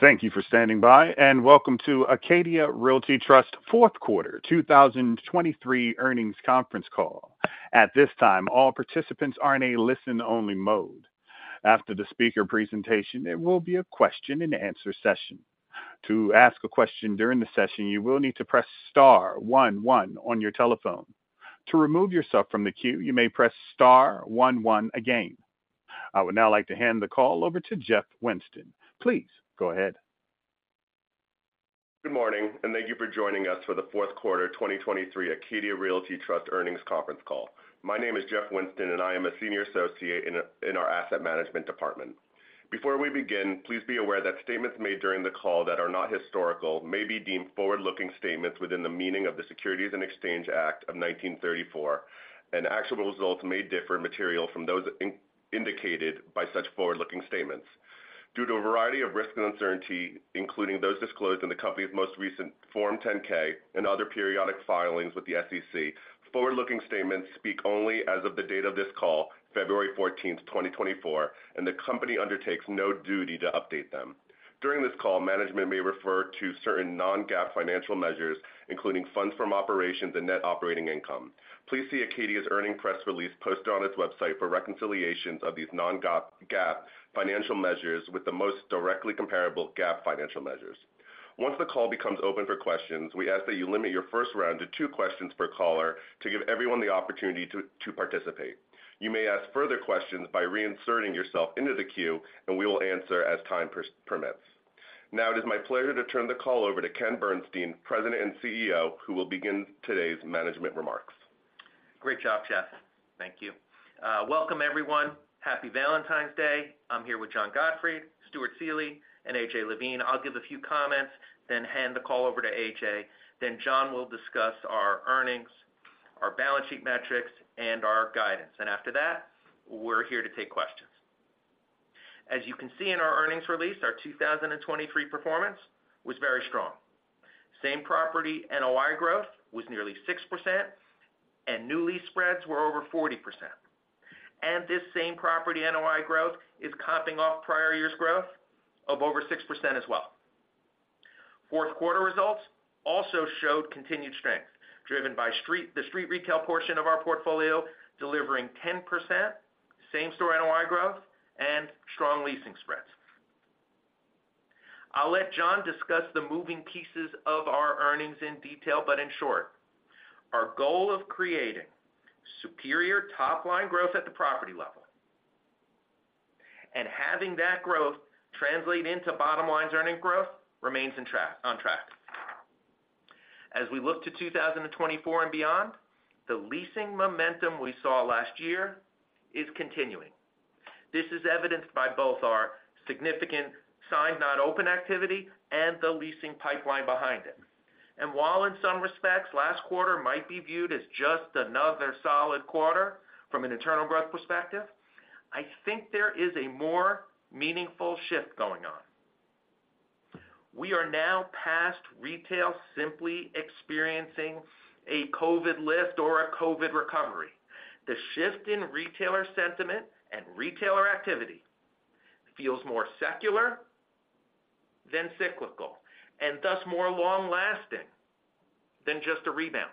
Thank you for standing by, and welcome to Acadia Realty Trust Fourth Quarter 2023 Earnings Conference Call. At this time, all participants are in a listen-only mode. After the speaker presentation, it will be a question-and-answer session. To ask a question during the session, you will need to press star one one on your telephone. To remove yourself from the queue, you may press star one one again. I would now like to hand the call over to Jeff Winston. Please go ahead. Good morning, and thank you for joining us for the Fourth Quarter 2023 Acadia Realty Trust Earnings Conference Call. My name is Jeff Winston, and I am a Senior Associate in our Asset Management Department. Before we begin, please be aware that statements made during the call that are not historical may be deemed forward-looking statements within the meaning of the Securities and Exchange Act of 1934, and actual results may differ materially from those indicated by such forward-looking statements. Due to a variety of risk and uncertainty, including those disclosed in the company's most recent Form 10-K and other periodic filings with the SEC, forward-looking statements speak only as of the date of this call, February 14th, 2024, and the company undertakes no duty to update them. During this call, management may refer to certain non-GAAP financial measures, including funds from operations and net operating income. Please see Acadia's earnings press release posted on its website for reconciliations of these non-GAAP financial measures with the most directly comparable GAAP financial measures. Once the call becomes open for questions, we ask that you limit your first round to two questions per caller to give everyone the opportunity to participate. You may ask further questions by reinserting yourself into the queue, and we will answer as time permits. Now it is my pleasure to turn the call over to Ken Bernstein, President and CEO, who will begin today's management remarks. Great job, Jeff. Thank you. Welcome, everyone. Happy Valentine's Day. I'm here with John Gottfried, Stuart Seeley, and A.J. Levine. I'll give a few comments, then hand the call over to A.J., then John will discuss our earnings, our balance sheet metrics, and our guidance. After that, we're here to take questions. As you can see in our earnings release, our 2023 performance was very strong. Same-store NOI growth was nearly 6%, and new lease spreads were over 40%. This same-store NOI growth is comping off prior year's growth of over 6% as well. Fourth quarter results also showed continued strength, driven by the street retail portion of our portfolio delivering 10% same-store NOI growth, and strong leasing spreads. I'll let John discuss the moving pieces of our earnings in detail, but in short: our goal of creating superior top-line growth at the property level, and having that growth translate into bottom-line earnings growth, remains on track. As we look to 2024 and beyond, the leasing momentum we saw last year is continuing. This is evidenced by both our significant Signed Not Open activity and the leasing pipeline behind it. And while in some respects last quarter might be viewed as just another solid quarter from an internal growth perspective, I think there is a more meaningful shift going on. We are now past retail simply experiencing a COVID lift or a COVID recovery. The shift in retailer sentiment and retailer activity feels more secular than cyclical, and thus more long-lasting than just a rebound.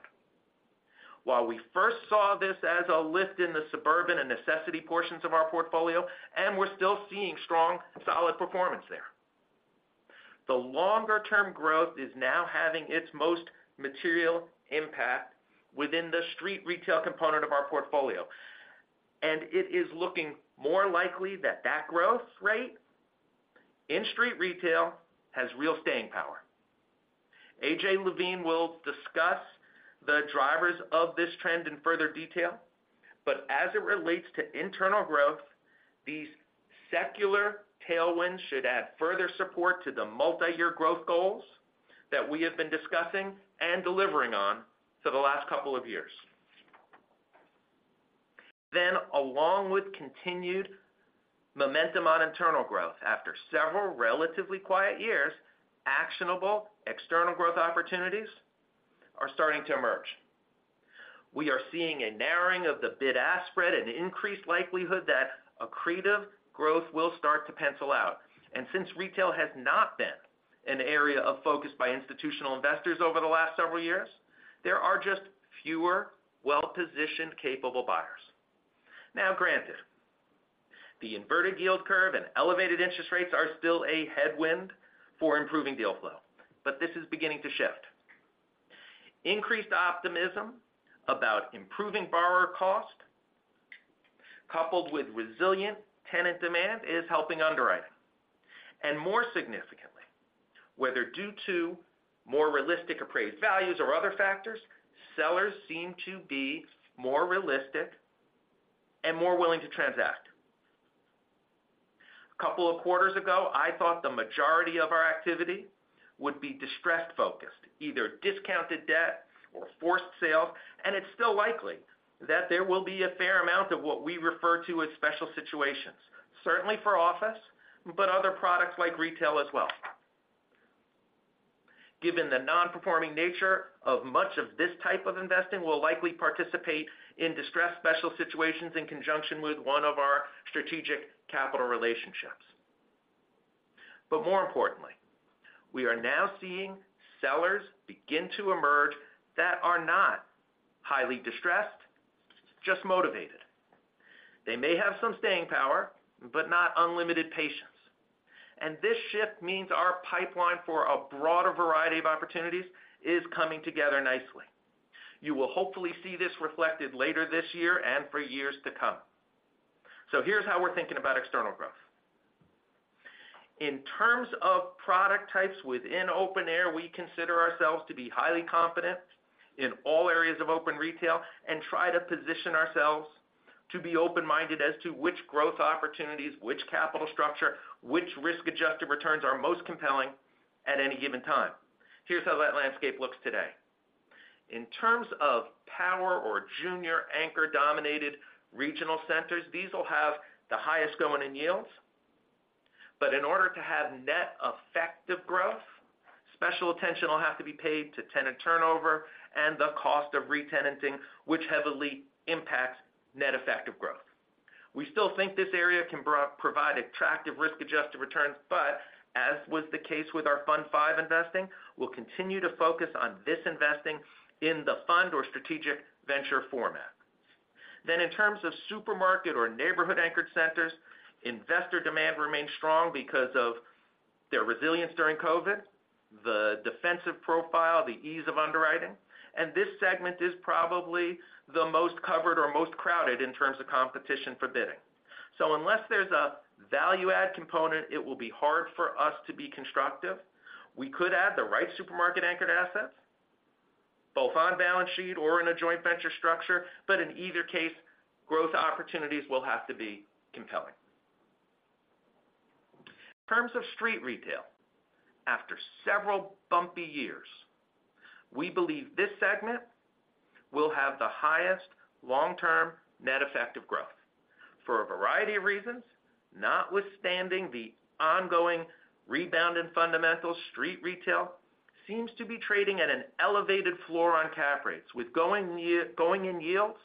While we first saw this as a lift in the suburban and necessity portions of our portfolio, and we're still seeing strong, solid performance there, the longer-term growth is now having its most material impact within the street retail component of our portfolio. It is looking more likely that that growth rate in street retail has real staying power. A.J. Levine will discuss the drivers of this trend in further detail, but as it relates to internal growth, these secular tailwinds should add further support to the multi-year growth goals that we have been discussing and delivering on for the last couple of years. Along with continued momentum on internal growth after several relatively quiet years, actionable external growth opportunities are starting to emerge. We are seeing a narrowing of the bid-ask spread, an increased likelihood that accretive growth will start to pencil out. Since retail has not been an area of focus by institutional investors over the last several years, there are just fewer well-positioned, capable buyers. Now, granted, the inverted yield curve and elevated interest rates are still a headwind for improving deal flow, but this is beginning to shift. Increased optimism about improving borrower cost, coupled with resilient tenant demand, is helping underwriting. And more significantly, whether due to more realistic appraised values or other factors, sellers seem to be more realistic and more willing to transact. A couple of quarters ago, I thought the majority of our activity would be distress-focused, either discounted debt or forced sales, and it's still likely that there will be a fair amount of what we refer to as special situations, certainly for office, but other products like retail as well. Given the non-performing nature of much of this type of investing, we'll likely participate in distressed special situations in conjunction with one of our strategic capital relationships. But more importantly, we are now seeing sellers begin to emerge that are not highly distressed, just motivated. They may have some staying power, but not unlimited patience. This shift means our pipeline for a broader variety of opportunities is coming together nicely. You will hopefully see this reflected later this year and for years to come. Here's how we're thinking about external growth. In terms of product types within open air, we consider ourselves to be highly confident in all areas of open retail and try to position ourselves to be open-minded as to which growth opportunities, which capital structure, which risk-adjusted returns are most compelling at any given time. Here's how that landscape looks today. In terms of power or junior anchor-dominated regional centers, these will have the highest going-in yields. But in order to have net effective growth, special attention will have to be paid to tenant turnover and the cost of re-tenanting, which heavily impacts net effective growth. We still think this area can provide attractive risk-adjusted returns, but as was the case with our Fund V investing, we'll continue to focus on this investing in the fund or strategic venture format. Then in terms of supermarket or neighborhood-anchored centers, investor demand remains strong because of their resilience during COVID, the defensive profile, the ease of underwriting, and this segment is probably the most covered or most crowded in terms of competition for bidding. So unless there's a value-add component, it will be hard for us to be constructive. We could add the right supermarket-anchored assets, both on balance sheet or in a joint venture structure, but in either case, growth opportunities will have to be compelling. In terms of street retail, after several bumpy years, we believe this segment will have the highest long-term net effective growth. For a variety of reasons, notwithstanding the ongoing rebound in fundamentals, street retail seems to be trading at an elevated floor on cap rates, with going-in yields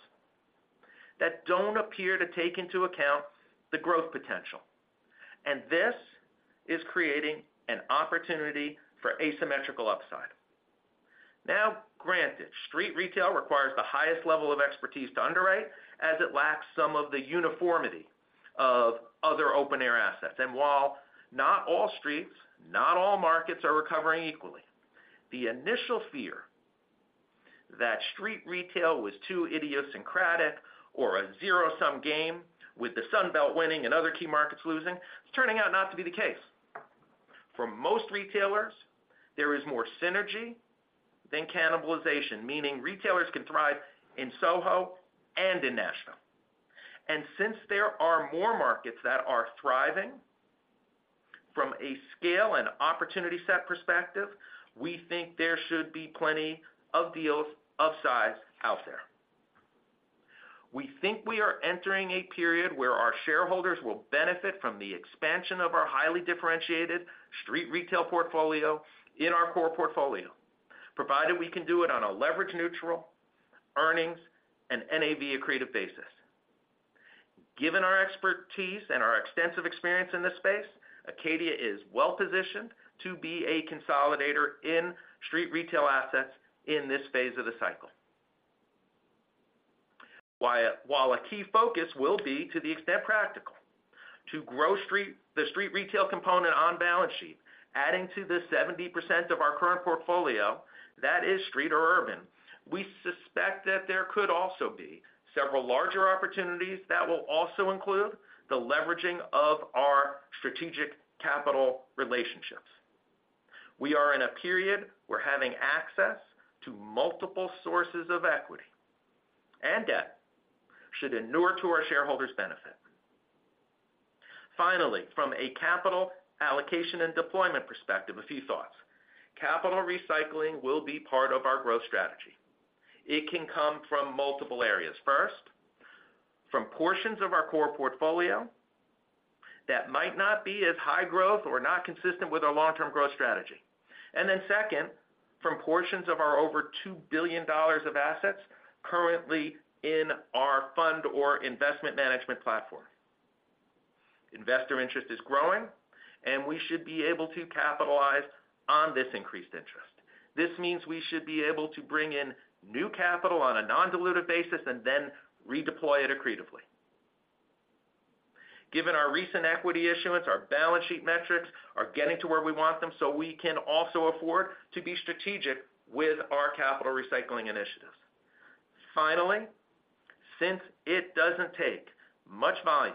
that don't appear to take into account the growth potential. And this is creating an opportunity for asymmetrical upside. Now, granted, street retail requires the highest level of expertise to underwrite as it lacks some of the uniformity of other open-air assets. And while not all streets, not all markets are recovering equally, the initial fear that street retail was too idiosyncratic or a zero-sum game, with the Sunbelt winning and other key markets losing, is turning out not to be the case. For most retailers, there is more synergy than cannibalization, meaning retailers can thrive in SoHo and in Nashville. And since there are more markets that are thriving from a scale and opportunity set perspective, we think there should be plenty of deals of size out there. We think we are entering a period where our shareholders will benefit from the expansion of our highly differentiated street retail portfolio in our core portfolio, provided we can do it on a leverage-neutral, earnings, and NAV-accretive basis. Given our expertise and our extensive experience in this space, Acadia is well-positioned to be a consolidator in street retail assets in this phase of the cycle. While a key focus will be, to the extent practical, to grow the street retail component on balance sheet, adding to the 70% of our current portfolio, that is street or urban, we suspect that there could also be several larger opportunities that will also include the leveraging of our strategic capital relationships. We are in a period where having access to multiple sources of equity and debt should inure to our shareholders' benefit. Finally, from a capital allocation and deployment perspective, a few thoughts. Capital recycling will be part of our growth strategy. It can come from multiple areas. First, from portions of our core portfolio that might not be as high growth or not consistent with our long-term growth strategy. And then second, from portions of our over $2 billion of assets currently in our fund or investment management platform. Investor interest is growing, and we should be able to capitalize on this increased interest. This means we should be able to bring in new capital on a non-dilutive basis and then redeploy it accretively. Given our recent equity issuance, our balance sheet metrics are getting to where we want them so we can also afford to be strategic with our capital recycling initiatives. Finally, since it doesn't take much volume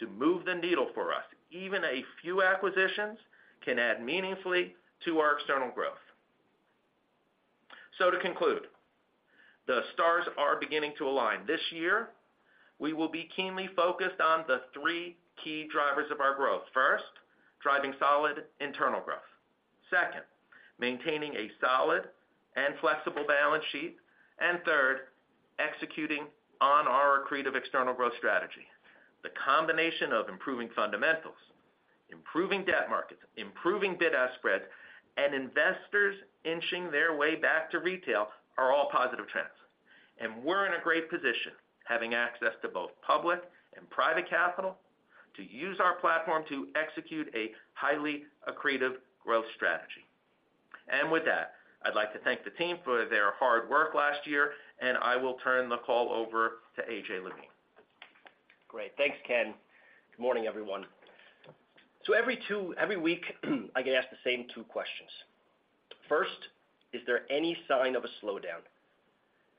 to move the needle for us, even a few acquisitions can add meaningfully to our external growth. So to conclude, the stars are beginning to align. This year, we will be keenly focused on the three key drivers of our growth. First, driving solid internal growth. Second, maintaining a solid and flexible balance sheet. And third, executing on our accretive external growth strategy. The combination of improving fundamentals, improving debt markets, improving bid-ask spreads, and investors inching their way back to retail are all positive trends. And we're in a great position, having access to both public and private capital, to use our platform to execute a highly accretive growth strategy. And with that, I'd like to thank the team for their hard work last year, and I will turn the call over to A.J. Levine. Great. Thanks, Ken. Good morning, everyone. So every week, I get asked the same two questions. First, is there any sign of a slowdown?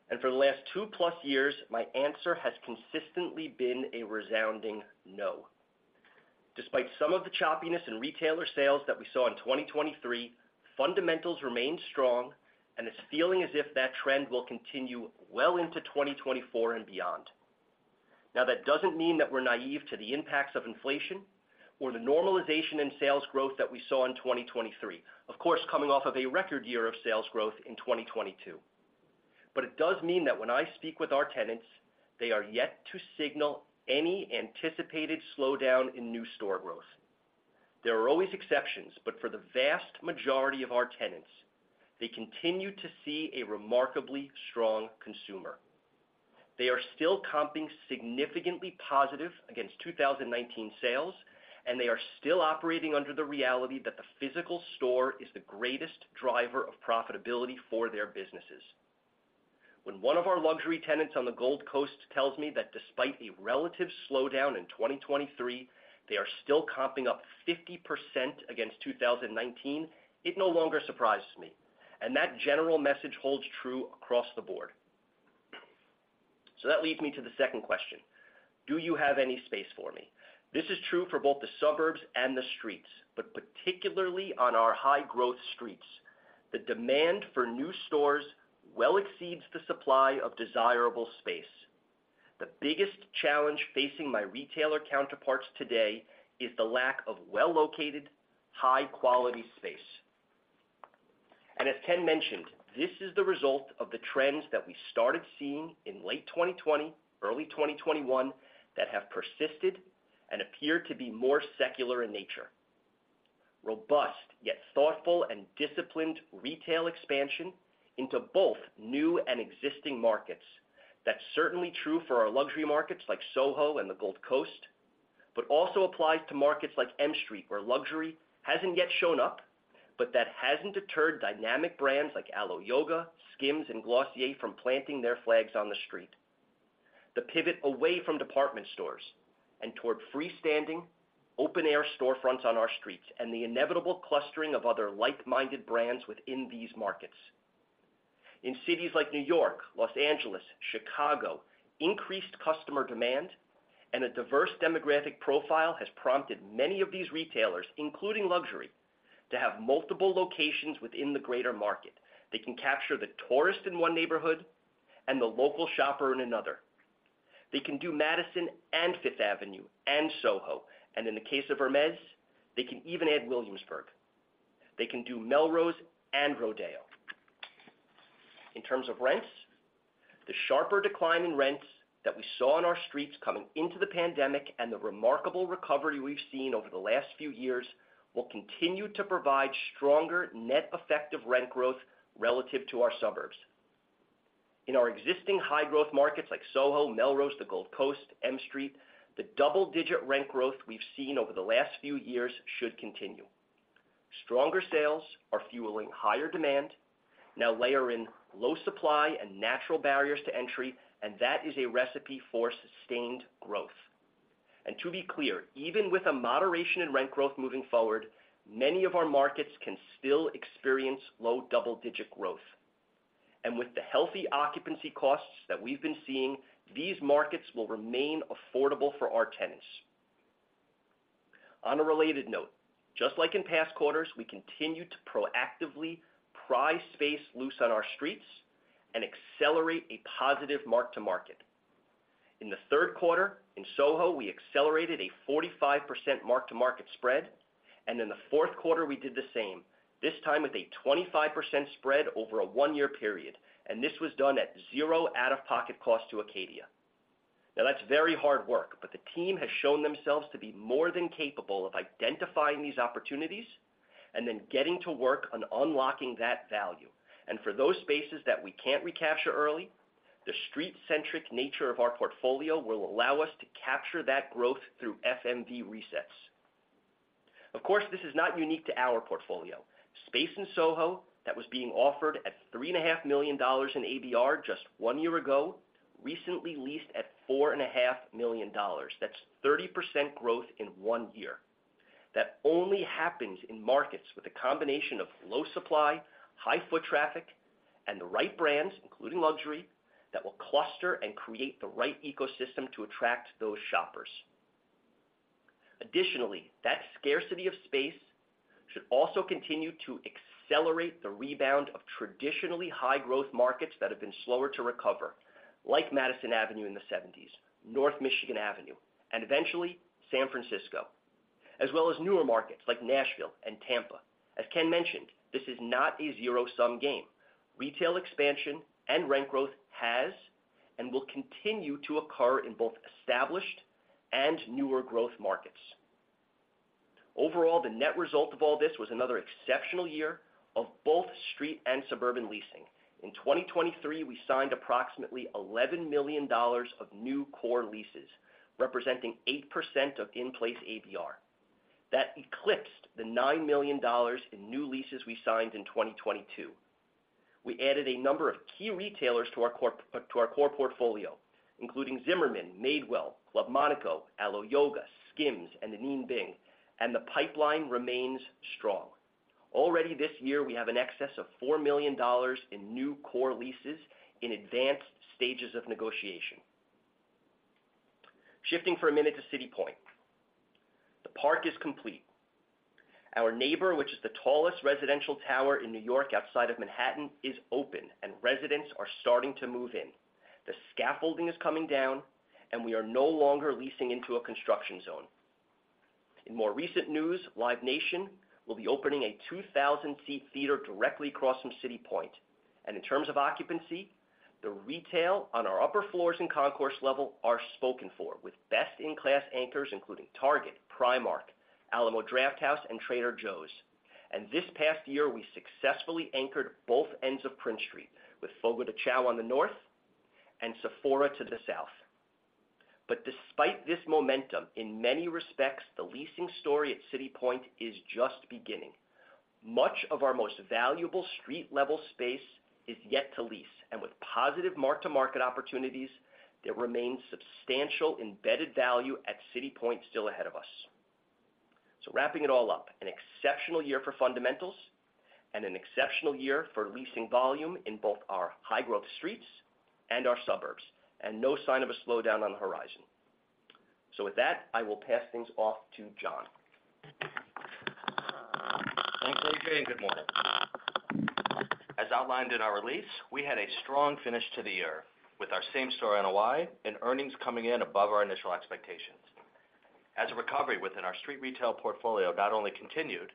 And for the last 2+ years, my answer has consistently been a resounding no. Despite some of the choppiness in retailer sales that we saw in 2023, fundamentals remain strong, and it's feeling as if that trend will continue well into 2024 and beyond. Now, that doesn't mean that we're naive to the impacts of inflation or the normalization in sales growth that we saw in 2023, of course coming off of a record year of sales growth in 2022. But it does mean that when I speak with our tenants, they are yet to signal any anticipated slowdown in new store growth. There are always exceptions, but for the vast majority of our tenants, they continue to see a remarkably strong consumer. They are still comping significantly positive against 2019 sales, and they are still operating under the reality that the physical store is the greatest driver of profitability for their businesses. When one of our luxury tenants on the Gold Coast tells me that despite a relative slowdown in 2023, they are still comping up 50% against 2019, it no longer surprises me. And that general message holds true across the board. So that leads me to the second question. Do you have any space for me? This is true for both the suburbs and the streets, but particularly on our high-growth streets, the demand for new stores well exceeds the supply of desirable space. The biggest challenge facing my retailer counterparts today is the lack of well-located, high-quality space. And as Ken mentioned, this is the result of the trends that we started seeing in late 2020, early 2021, that have persisted and appear to be more secular in nature. Robust yet thoughtful and disciplined retail expansion into both new and existing markets - that's certainly true for our luxury markets like SoHo and the Gold Coast - but also applies to markets like M Street where luxury hasn't yet shown up, but that hasn't deterred dynamic brands like Alo Yoga, Skims, and Glossier from planting their flags on the street. The pivot away from department stores and toward freestanding, open-air storefronts on our streets and the inevitable clustering of other like-minded brands within these markets. In cities like New York, Los Angeles, Chicago, increased customer demand and a diverse demographic profile has prompted many of these retailers, including luxury, to have multiple locations within the greater market. They can capture the tourist in one neighborhood and the local shopper in another. They can do Madison and 5th Avenue and SoHo, and in the case of Hermès, they can even add Williamsburg. They can do Melrose and Rodeo. In terms of rents, the sharper decline in rents that we saw on our streets coming into the pandemic and the remarkable recovery we've seen over the last few years will continue to provide stronger net effective rent growth relative to our suburbs. In our existing high-growth markets like SoHo, Melrose, the Gold Coast, M Street, the double-digit rent growth we've seen over the last few years should continue. Stronger sales are fueling higher demand, now layer in low supply and natural barriers to entry, and that is a recipe for sustained growth. To be clear, even with a moderation in rent growth moving forward, many of our markets can still experience low double-digit growth. With the healthy occupancy costs that we've been seeing, these markets will remain affordable for our tenants. On a related note, just like in past quarters, we continue to proactively pry space loose on our streets and accelerate a positive mark-to-market. In the third quarter, in SoHo, we accelerated a 45% mark-to-market spread, and in the fourth quarter we did the same, this time with a 25% spread over a one-year period, and this was done at zero out-of-pocket cost to Acadia. Now, that's very hard work, but the team has shown themselves to be more than capable of identifying these opportunities and then getting to work on unlocking that value. For those spaces that we can't recapture early, the street-centric nature of our portfolio will allow us to capture that growth through FMV resets. Of course, this is not unique to our portfolio. Space in SoHo that was being offered at $3.5 million in ABR just one year ago recently leased at $4.5 million. That's 30% growth in one year. That only happens in markets with a combination of low supply, high foot traffic, and the right brands, including luxury, that will cluster and create the right ecosystem to attract those shoppers. Additionally, that scarcity of space should also continue to accelerate the rebound of traditionally high-growth markets that have been slower to recover, like Madison Avenue in the '70s, North Michigan Avenue, and eventually San Francisco, as well as newer markets like Nashville and Tampa. As Ken mentioned, this is not a zero-sum game. Retail expansion and rent growth has and will continue to occur in both established and newer growth markets. Overall, the net result of all this was another exceptional year of both street and suburban leasing. In 2023, we signed approximately $11 million of new core leases, representing 8% of in-place ABR. That eclipsed the $9 million in new leases we signed in 2022. We added a number of key retailers to our core portfolio, including Zimmermann, Madewell, Club Monaco, Alo Yoga, SKIMS, and the ANINE BING, and the pipeline remains strong. Already this year, we have an excess of $4 million in new core leases in advanced stages of negotiation. Shifting for a minute to City Point. The park is complete. Our neighbor, which is the tallest residential tower in New York outside of Manhattan, is open, and residents are starting to move in. The scaffolding is coming down, and we are no longer leasing into a construction zone. In more recent news, Live Nation will be opening a 2,000-seat theater directly across from City Point. In terms of occupancy, the retail on our upper floors and concourse level are spoken for, with best-in-class anchors including Target, Primark, Alamo Drafthouse, and Trader Joe's. This past year, we successfully anchored both ends of Prince Street with Fogo de Chão on the north and Sephora to the south. But despite this momentum, in many respects, the leasing story at City Point is just beginning. Much of our most valuable street-level space is yet to lease, and with positive mark-to-market opportunities, there remains substantial embedded value at City Point still ahead of us. So wrapping it all up, an exceptional year for fundamentals and an exceptional year for leasing volume in both our high-growth streets and our suburbs, and no sign of a slowdown on the horizon. So with that, I will pass things off to John. Thanks, A.J., and good morning. As outlined in our release, we had a strong finish to the year, with our same-store NOI and earnings coming in above our initial expectations. As a recovery within our street retail portfolio not only continued,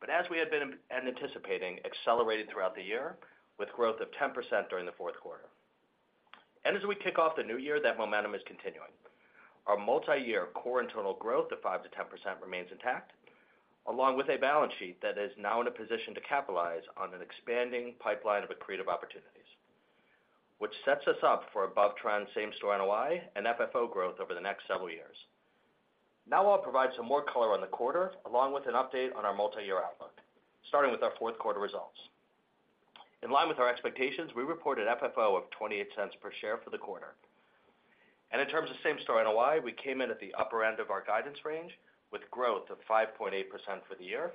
but as we had been anticipating, accelerated throughout the year, with growth of 10% during the fourth quarter. We kick off the new year, that momentum is continuing. Our multi-year core internal growth of 5%-10% remains intact, along with a balance sheet that is now in a position to capitalize on an expanding pipeline of accretive opportunities, which sets us up for above-trend same-store NOI and FFO growth over the next several years. Now I'll provide some more color on the quarter, along with an update on our multi-year outlook, starting with our fourth quarter results. In line with our expectations, we reported FFO of $0.28 per share for the quarter. In terms of same-store in Hawaii, we came in at the upper end of our guidance range, with growth of 5.8% for the year.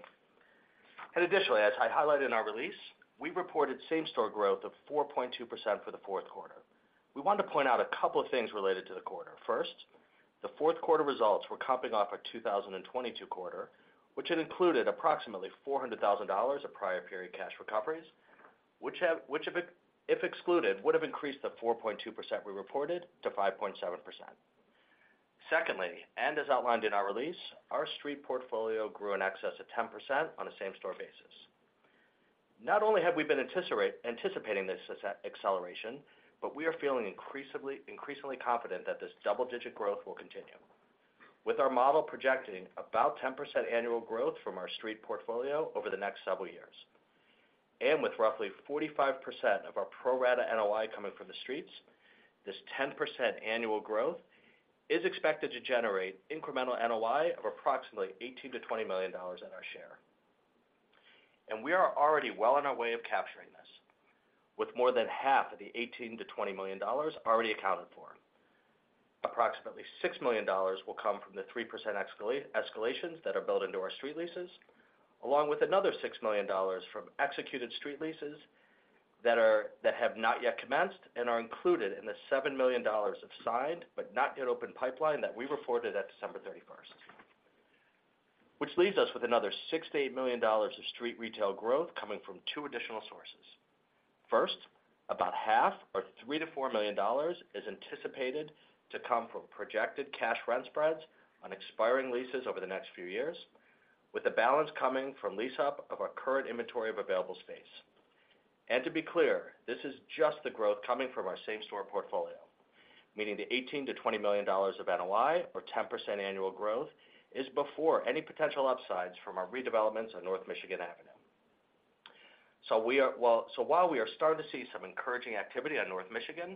Additionally, as I highlighted in our release, we reported same-store growth of 4.2% for the fourth quarter. We wanted to point out a couple of things related to the quarter. First, the fourth quarter results were comping off our 2022 quarter, which had included approximately $400,000 of prior-period cash recoveries, which, if excluded, would have increased the 4.2% we reported to 5.7%. Secondly, and as outlined in our release, our street portfolio grew in excess of 10% on a same-store basis. Not only have we been anticipating this acceleration, but we are feeling increasingly confident that this double-digit growth will continue, with our model projecting about 10% annual growth from our street portfolio over the next several years. And with roughly 45% of our pro-rata NOI coming from the streets, this 10% annual growth is expected to generate incremental NOI of approximately $18-$20 million on our share. And we are already well on our way of capturing this, with more than half of the $18 million-$20 million already accounted for. Approximately $6 million will come from the 3% escalations that are built into our street leases, along with another $6 million from executed street leases that have not yet commenced and are included in the $7 million of signed but not yet open pipeline that we reported at December 31st. Which leaves us with another $6 million-$8 million of street retail growth coming from two additional sources. First, about half, or $3 million-$4 million, is anticipated to come from projected cash rent spreads on expiring leases over the next few years, with the balance coming from lease-up of our current inventory of available space. And to be clear, this is just the growth coming from our same-store portfolio, meaning the $18 million-$20 million of NOI, or 10% annual growth, is before any potential upsides from our redevelopments on North Michigan Avenue. So while we are starting to see some encouraging activity on North Michigan,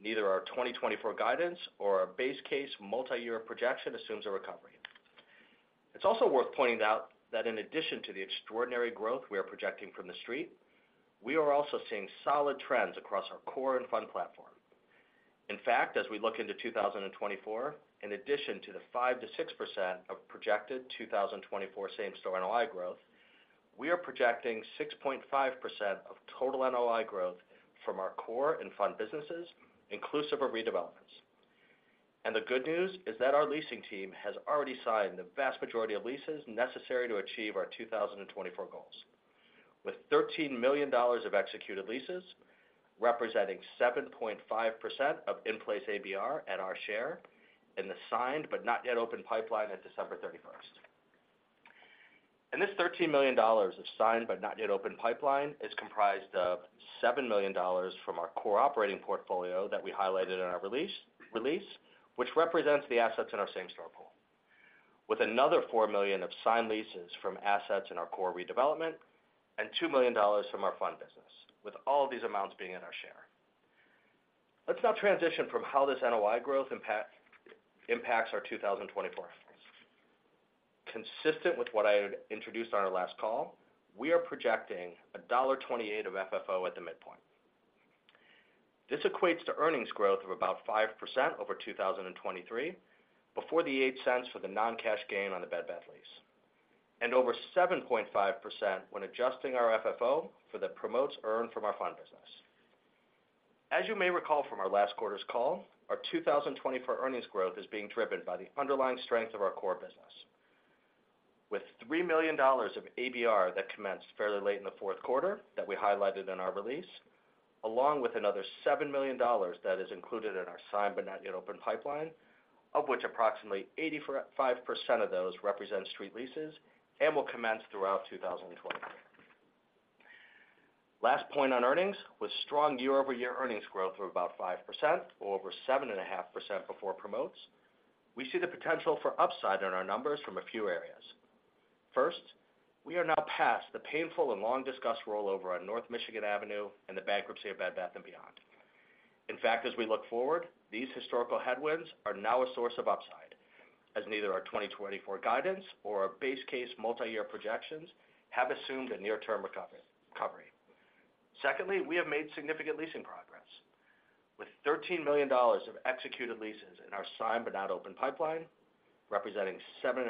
neither our 2024 guidance nor our base-case multi-year projection assumes a recovery. It's also worth pointing out that in addition to the extraordinary growth we are projecting from the street, we are also seeing solid trends across our core and fund platform. In fact, as we look into 2024, in addition to the 5%-6% of projected 2024 same-store NOI growth, we are projecting 6.5% of total NOI growth from our core and fund businesses, inclusive of redevelopments. The good news is that our leasing team has already signed the vast majority of leases necessary to achieve our 2024 goals, with $13 million of executed leases representing 7.5% of in-place ABR on our share and the signed but not yet open pipeline at December 31st. This $13 million of signed but not yet open pipeline is comprised of $7 million from our core operating portfolio that we highlighted in our release, which represents the assets in our same-store pool, with another $4 million of signed leases from assets in our core redevelopment and $2 million from our fund business, with all of these amounts being on our share. Let's now transition from how this NOI growth impacts our 2024 outlook. Consistent with what I introduced on our last call, we are projecting $1.28 of FFO at the midpoint. This equates to earnings growth of about 5% over 2023, before the $0.08 for the non-cash gain on the Bed Bath & Beyond lease, and over 7.5% when adjusting our FFO for the promotes earned from our fund business. As you may recall from our last quarter's call, our 2024 earnings growth is being driven by the underlying strength of our core business, with $3 million of ABR that commenced fairly late in the fourth quarter that we highlighted in our release, along with another $7 million that is included in our signed but not yet open pipeline, of which approximately 85% of those represent street leases and will commence throughout 2024. Last point on earnings, with strong year-over-year earnings growth of about 5% or over 7.5% before promotes, we see the potential for upside on our numbers from a few areas. First, we are now past the painful and long-discussed rollover on North Michigan Avenue and the bankruptcy of Bed Bath & Beyond. In fact, as we look forward, these historical headwinds are now a source of upside, as neither our 2024 guidance nor our base-case multi-year projections have assumed a near-term recovery. Secondly, we have made significant leasing progress, with $13 million of executed leases in our signed but not open pipeline, representing 7.5%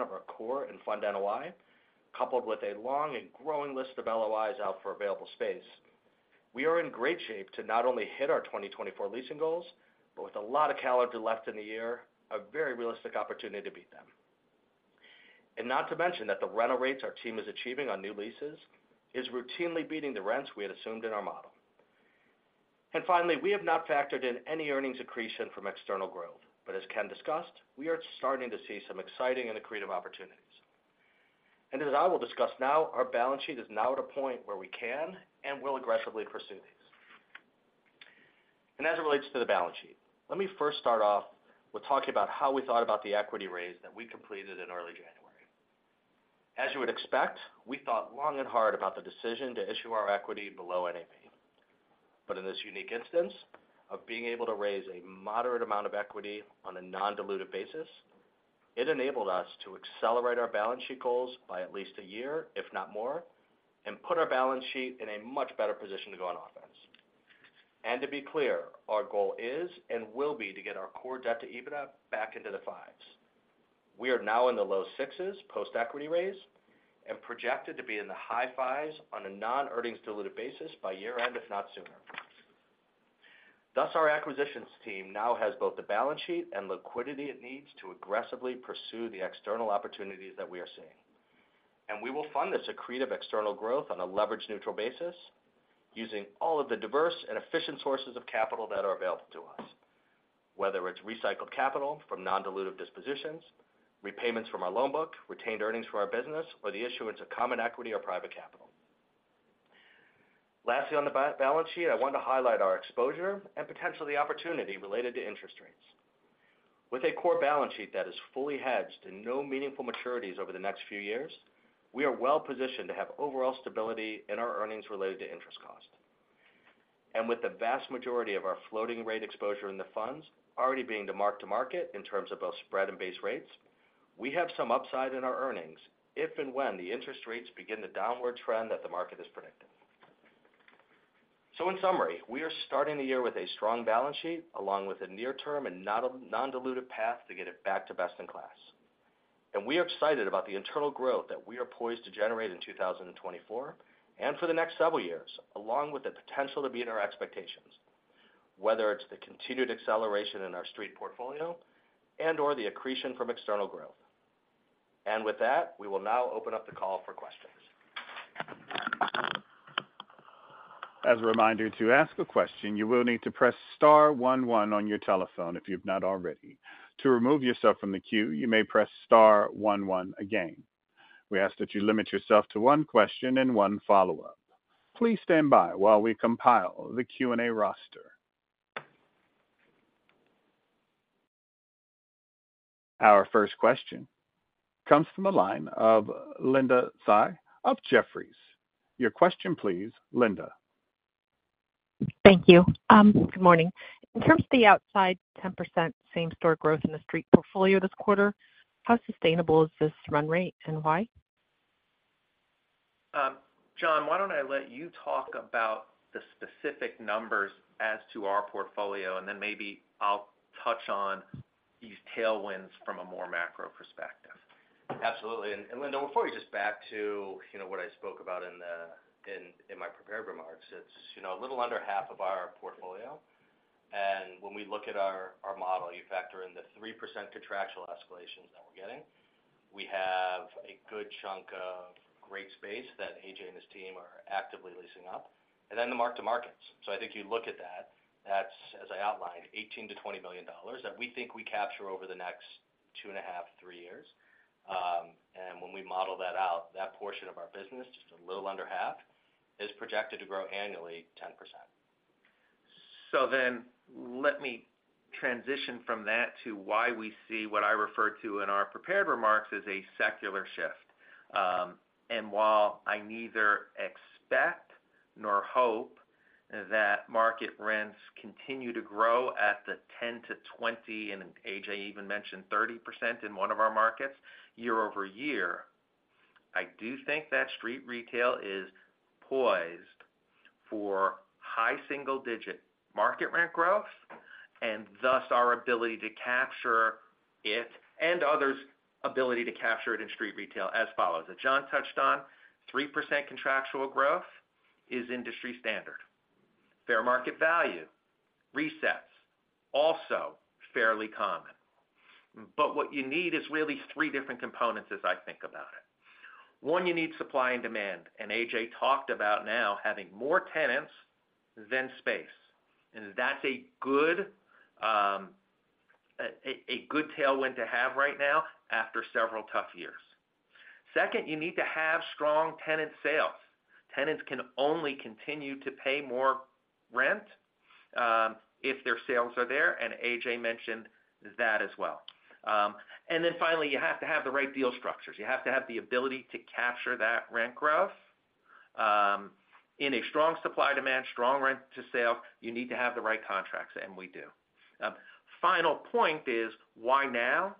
of our core and fund NOI, coupled with a long and growing list of LOIs out for available space. We are in great shape to not only hit our 2024 leasing goals, but with a lot of calendar left in the year, a very realistic opportunity to beat them. Not to mention that the rental rates our team is achieving on new leases is routinely beating the rents we had assumed in our model. Finally, we have not factored in any earnings accretion from external growth, but as Ken discussed, we are starting to see some exciting and accretive opportunities. As I will discuss now, our balance sheet is now at a point where we can and will aggressively pursue these. As it relates to the balance sheet, let me first start off with talking about how we thought about the equity raise that we completed in early January. As you would expect, we thought long and hard about the decision to issue our equity below NAV. But in this unique instance of being able to raise a moderate amount of equity on a non-dilutive basis, it enabled us to accelerate our balance sheet goals by at least a year, if not more, and put our balance sheet in a much better position to go on offense. And to be clear, our goal is and will be to get our core debt to EBITDA back into the 5%s. We are now in the low 6%s post-equity raise and projected to be in the high 5%s on a non-earnings-dilutive basis by year-end, if not sooner. Thus, our acquisitions team now has both the balance sheet and liquidity it needs to aggressively pursue the external opportunities that we are seeing. We will fund this accretive external growth on a leverage-neutral basis, using all of the diverse and efficient sources of capital that are available to us, whether it's recycled capital from non-dilutive dispositions, repayments from our loan book, retained earnings from our business, or the issuance of common equity or private capital. Lastly, on the balance sheet, I wanted to highlight our exposure and potentially the opportunity related to interest rates. With a core balance sheet that is fully hedged and no meaningful maturities over the next few years, we are well-positioned to have overall stability in our earnings related to interest cost. With the vast majority of our floating-rate exposure in the funds already being to mark-to-market in terms of both spread and base rates, we have some upside in our earnings if and when the interest rates begin the downward trend that the market is predicting. In summary, we are starting the year with a strong balance sheet along with a near-term and non-dilutive path to get it back to best-in-class. We are excited about the internal growth that we are poised to generate in 2024 and for the next several years, along with the potential to beat our expectations, whether it's the continued acceleration in our street portfolio and/or the accretion from external growth. With that, we will now open up the call for questions. As a reminder to ask a question, you will need to press star one one on your telephone if you've not already. To remove yourself from the queue, you may press star one one again. We ask that you limit yourself to one question and one follow-up. Please stand by while we compile the Q&A roster. Our first question comes from the line of Linda Tsai of Jefferies. Your question, please, Linda. Thank you. Good morning. In terms of the outside 10% same-store growth in the street portfolio this quarter, how sustainable is this run rate and why? John, why don't I let you talk about the specific numbers as to our portfolio, and then maybe I'll touch on these tailwinds from a more macro perspective. Absolutely. And Linda, before we just back to what I spoke about in my prepared remarks, it's a little under half of our portfolio. And when we look at our model, you factor in the 3% contractual escalations that we're getting. We have a good chunk of great space that A.J. and his team are actively leasing up, and then the mark-to-markets. So I think you look at that. That's, as I outlined, $18 million-$20 million that we think we capture over the next two and a half, three years. And when we model that out, that portion of our business, just a little under half, is projected to grow annually 10%. So then let me transition from that to why we see what I referred to in our prepared remarks as a secular shift. And while I neither expect nor hope that market rents continue to grow at the 10%-20%, and A.J. even mentioned 30% in one of our markets, year-over-year, I do think that street retail is poised for high single-digit market rent growth and thus our ability to capture it and others' ability to capture it in street retail as follows. As John touched on, 3% contractual growth is industry standard. Fair market value resets also fairly common. But what you need is really three different components as I think about it. One, you need supply and demand, and A.J. talked about now having more tenants than space. And that's a good tailwind to have right now after several tough years. Second, you need to have strong tenant sales. Tenants can only continue to pay more rent if their sales are there, and A.J. mentioned that as well. And then finally, you have to have the right deal structures. You have to have the ability to capture that rent growth. In a strong supply-demand, strong rent-to-sale, you need to have the right contracts, and we do. Final point is why now?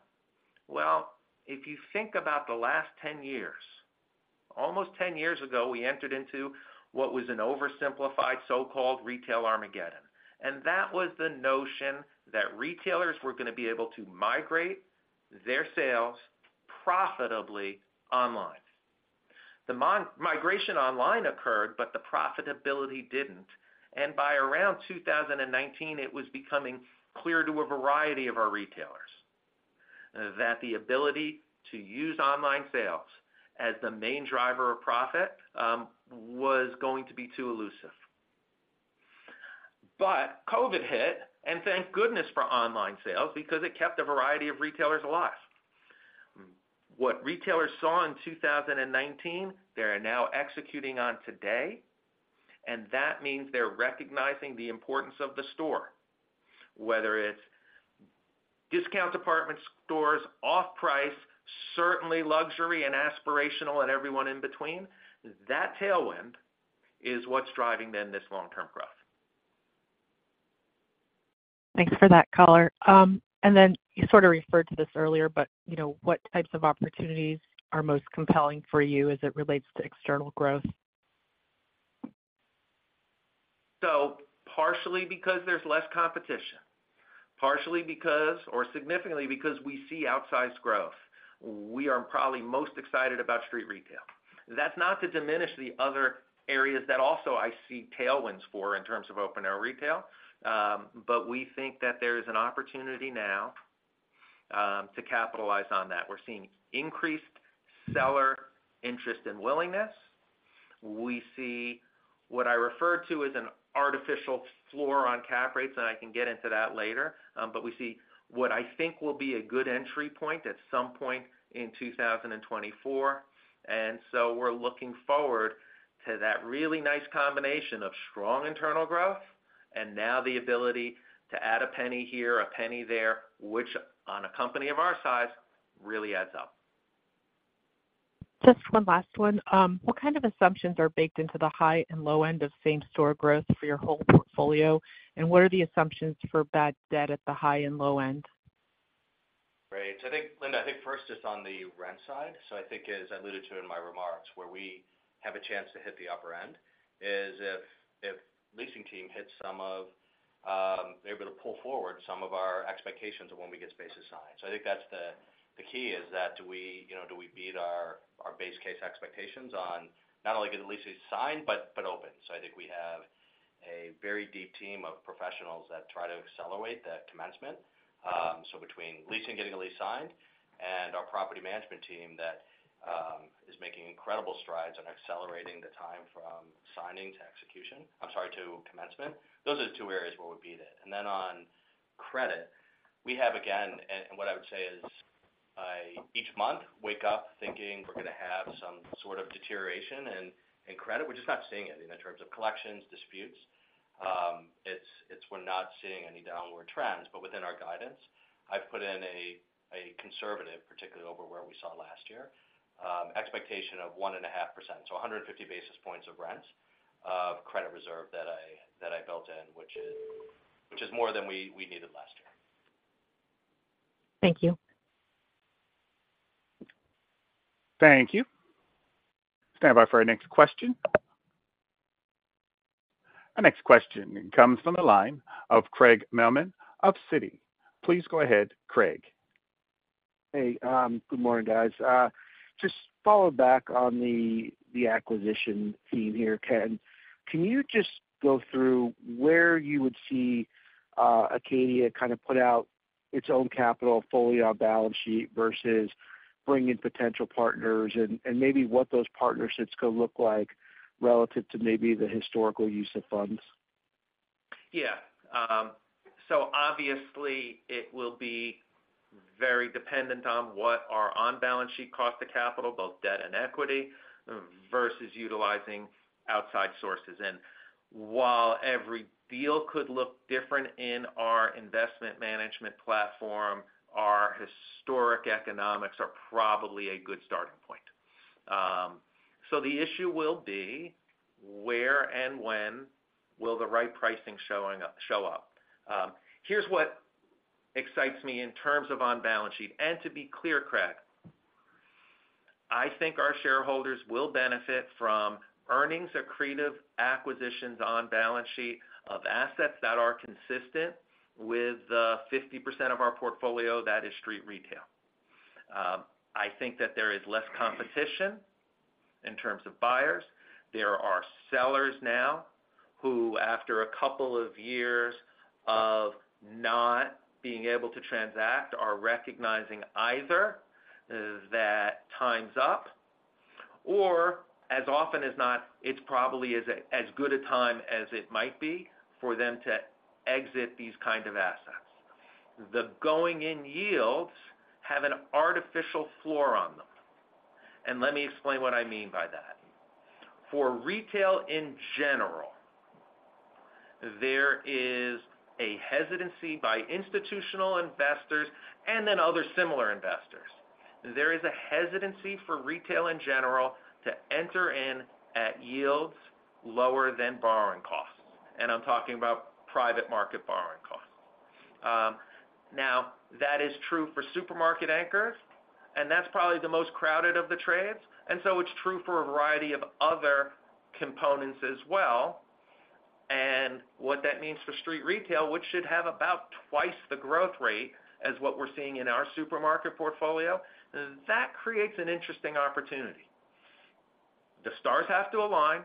Well, if you think about the last 10 years, almost 10 years ago, we entered into what was an oversimplified so-called retail Armageddon. And that was the notion that retailers were going to be able to migrate their sales profitably online. The migration online occurred, but the profitability didn't. By around 2019, it was becoming clear to a variety of our retailers that the ability to use online sales as the main driver of profit was going to be too elusive. But COVID hit, and thank goodness for online sales because it kept a variety of retailers alive. What retailers saw in 2019, they are now executing on today, and that means they're recognizing the importance of the store. Whether it's discount department stores, off-price, certainly luxury and aspirational and everyone in between, that tailwind is what's driving then this long-term growth. Thanks for that, color. And then you sort of referred to this earlier, but what types of opportunities are most compelling for you as it relates to external growth? So partially because there's less competition, partially because or significantly because we see outsized growth, we are probably most excited about street retail. That's not to diminish the other areas that also I see tailwinds for in terms of open-air retail, but we think that there is an opportunity now to capitalize on that. We're seeing increased seller interest and willingness. We see what I referred to as an artificial floor on cap rates, and I can get into that later, but we see what I think will be a good entry point at some point in 2024. And so we're looking forward to that really nice combination of strong internal growth and now the ability to add a penny here, a penny there, which on a company of our size really adds up. Just one last one. What kind of assumptions are baked into the high and low end of same-store growth for your whole portfolio, and what are the assumptions for bad debt at the high and low end? Right. Linda, I think first just on the rent side, so I think as I alluded to in my remarks, where we have a chance to hit the upper end is if leasing team hits some of they're able to pull forward some of our expectations of when we get space assigned. So I think that's the key, is that do we beat our base-case expectations on not only getting the leases signed but open? So I think we have a very deep team of professionals that try to accelerate that commencement, so between leasing getting a lease signed and our property management team that is making incredible strides on accelerating the time from signing to execution. I'm sorry, to commencement. Those are the two areas where we beat it. Then on credit, we have, again, and what I would say is each month wake up thinking we're going to have some sort of deterioration in credit. We're just not seeing it in the terms of collections, disputes. We're not seeing any downward trends. But within our guidance, I've put in a conservative, particularly over where we saw last year, expectation of 1.5%, so 150 basis points of rents of credit reserve that I built in, which is more than we needed last year. Thank you. Thank you. Stand by for our next question. Our next question comes from the line of Craig Mailman of Citi. Please go ahead, Craig. Hey. Good morning, guys. Just followed back on the acquisition theme here, Ken. Can you just go through where you would see Acadia kind of put out its own capital fully on balance sheet versus bring in potential partners and maybe what those partnerships could look like relative to maybe the historical use of funds? Yeah. So obviously, it will be very dependent on what our on-balance sheet cost of capital, both debt and equity, versus utilizing outside sources. And while every deal could look different in our investment management platform, our historic economics are probably a good starting point. So the issue will be where and when will the right pricing show up? Here's what excites me in terms of on-balance sheet. And to be clear, Craig, I think our shareholders will benefit from earnings-accretive acquisitions on balance sheet of assets that are consistent with the 50% of our portfolio that is street retail. I think that there is less competition in terms of buyers. There are sellers now who, after a couple of years of not being able to transact, are recognizing either that time's up or, as often as not, it probably is as good a time as it might be for them to exit these kind of assets. The going-in yields have an artificial floor on them. And let me explain what I mean by that. For retail in general, there is a hesitancy by institutional investors and then other similar investors. There is a hesitancy for retail in general to enter in at yields lower than borrowing costs. And I'm talking about private market borrowing costs. Now, that is true for supermarket anchors, and that's probably the most crowded of the trades. And so it's true for a variety of other components as well. What that means for street retail, which should have about twice the growth rate as what we're seeing in our supermarket portfolio, that creates an interesting opportunity. The stars have to align.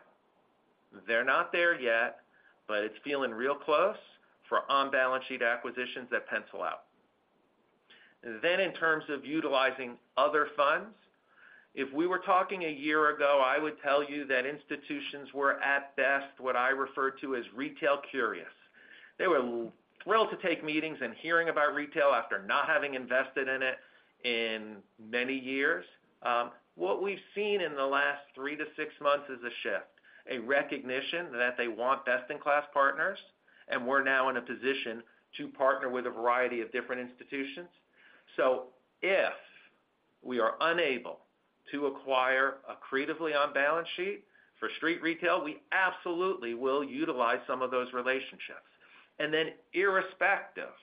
They're not there yet, but it's feeling real close for on-balance sheet acquisitions that pencil out. In terms of utilizing other funds, if we were talking a year ago, I would tell you that institutions were at best what I referred to as retail curious. They were thrilled to take meetings and hearing about retail after not having invested in it in many years. What we've seen in the last three, six months is a shift, a recognition that they want best-in-class partners, and we're now in a position to partner with a variety of different institutions. So if we are unable to acquire accretively on balance sheet for street retail, we absolutely will utilize some of those relationships. Then irrespective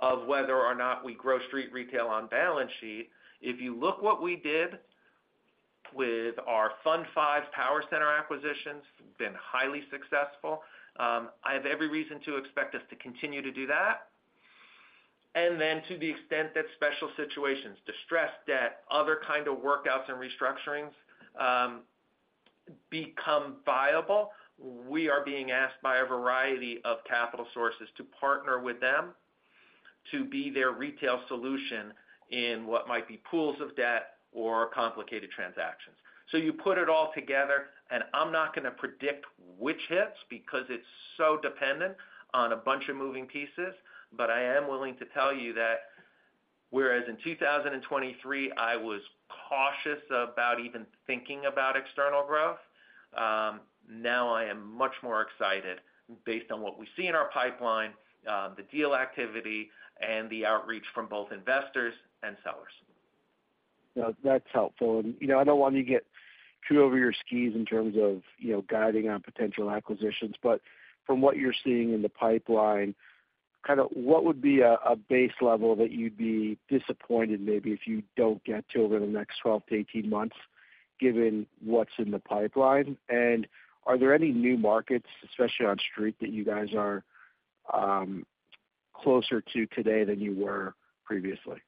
of whether or not we grow street retail on balance sheet, if you look what we did with our Fund V power center acquisitions, been highly successful, I have every reason to expect us to continue to do that. Then to the extent that special situations, distressed debt, other kind of workouts and restructurings become viable, we are being asked by a variety of capital sources to partner with them to be their retail solution in what might be pools of debt or complicated transactions. So you put it all together, and I'm not going to predict which hits because it's so dependent on a bunch of moving pieces, but I am willing to tell you that whereas in 2023, I was cautious about even thinking about external growth, now I am much more excited based on what we see in our pipeline, the deal activity, and the outreach from both investors and sellers. That's helpful. I don't want you to get too over your skis in terms of guiding on potential acquisitions, but from what you're seeing in the pipeline, kind of what would be a base level that you'd be disappointed maybe if you don't get to over the next 12, 18 months given what's in the pipeline? Are there any new markets, especially on street, that you guys are closer to today than you were previously?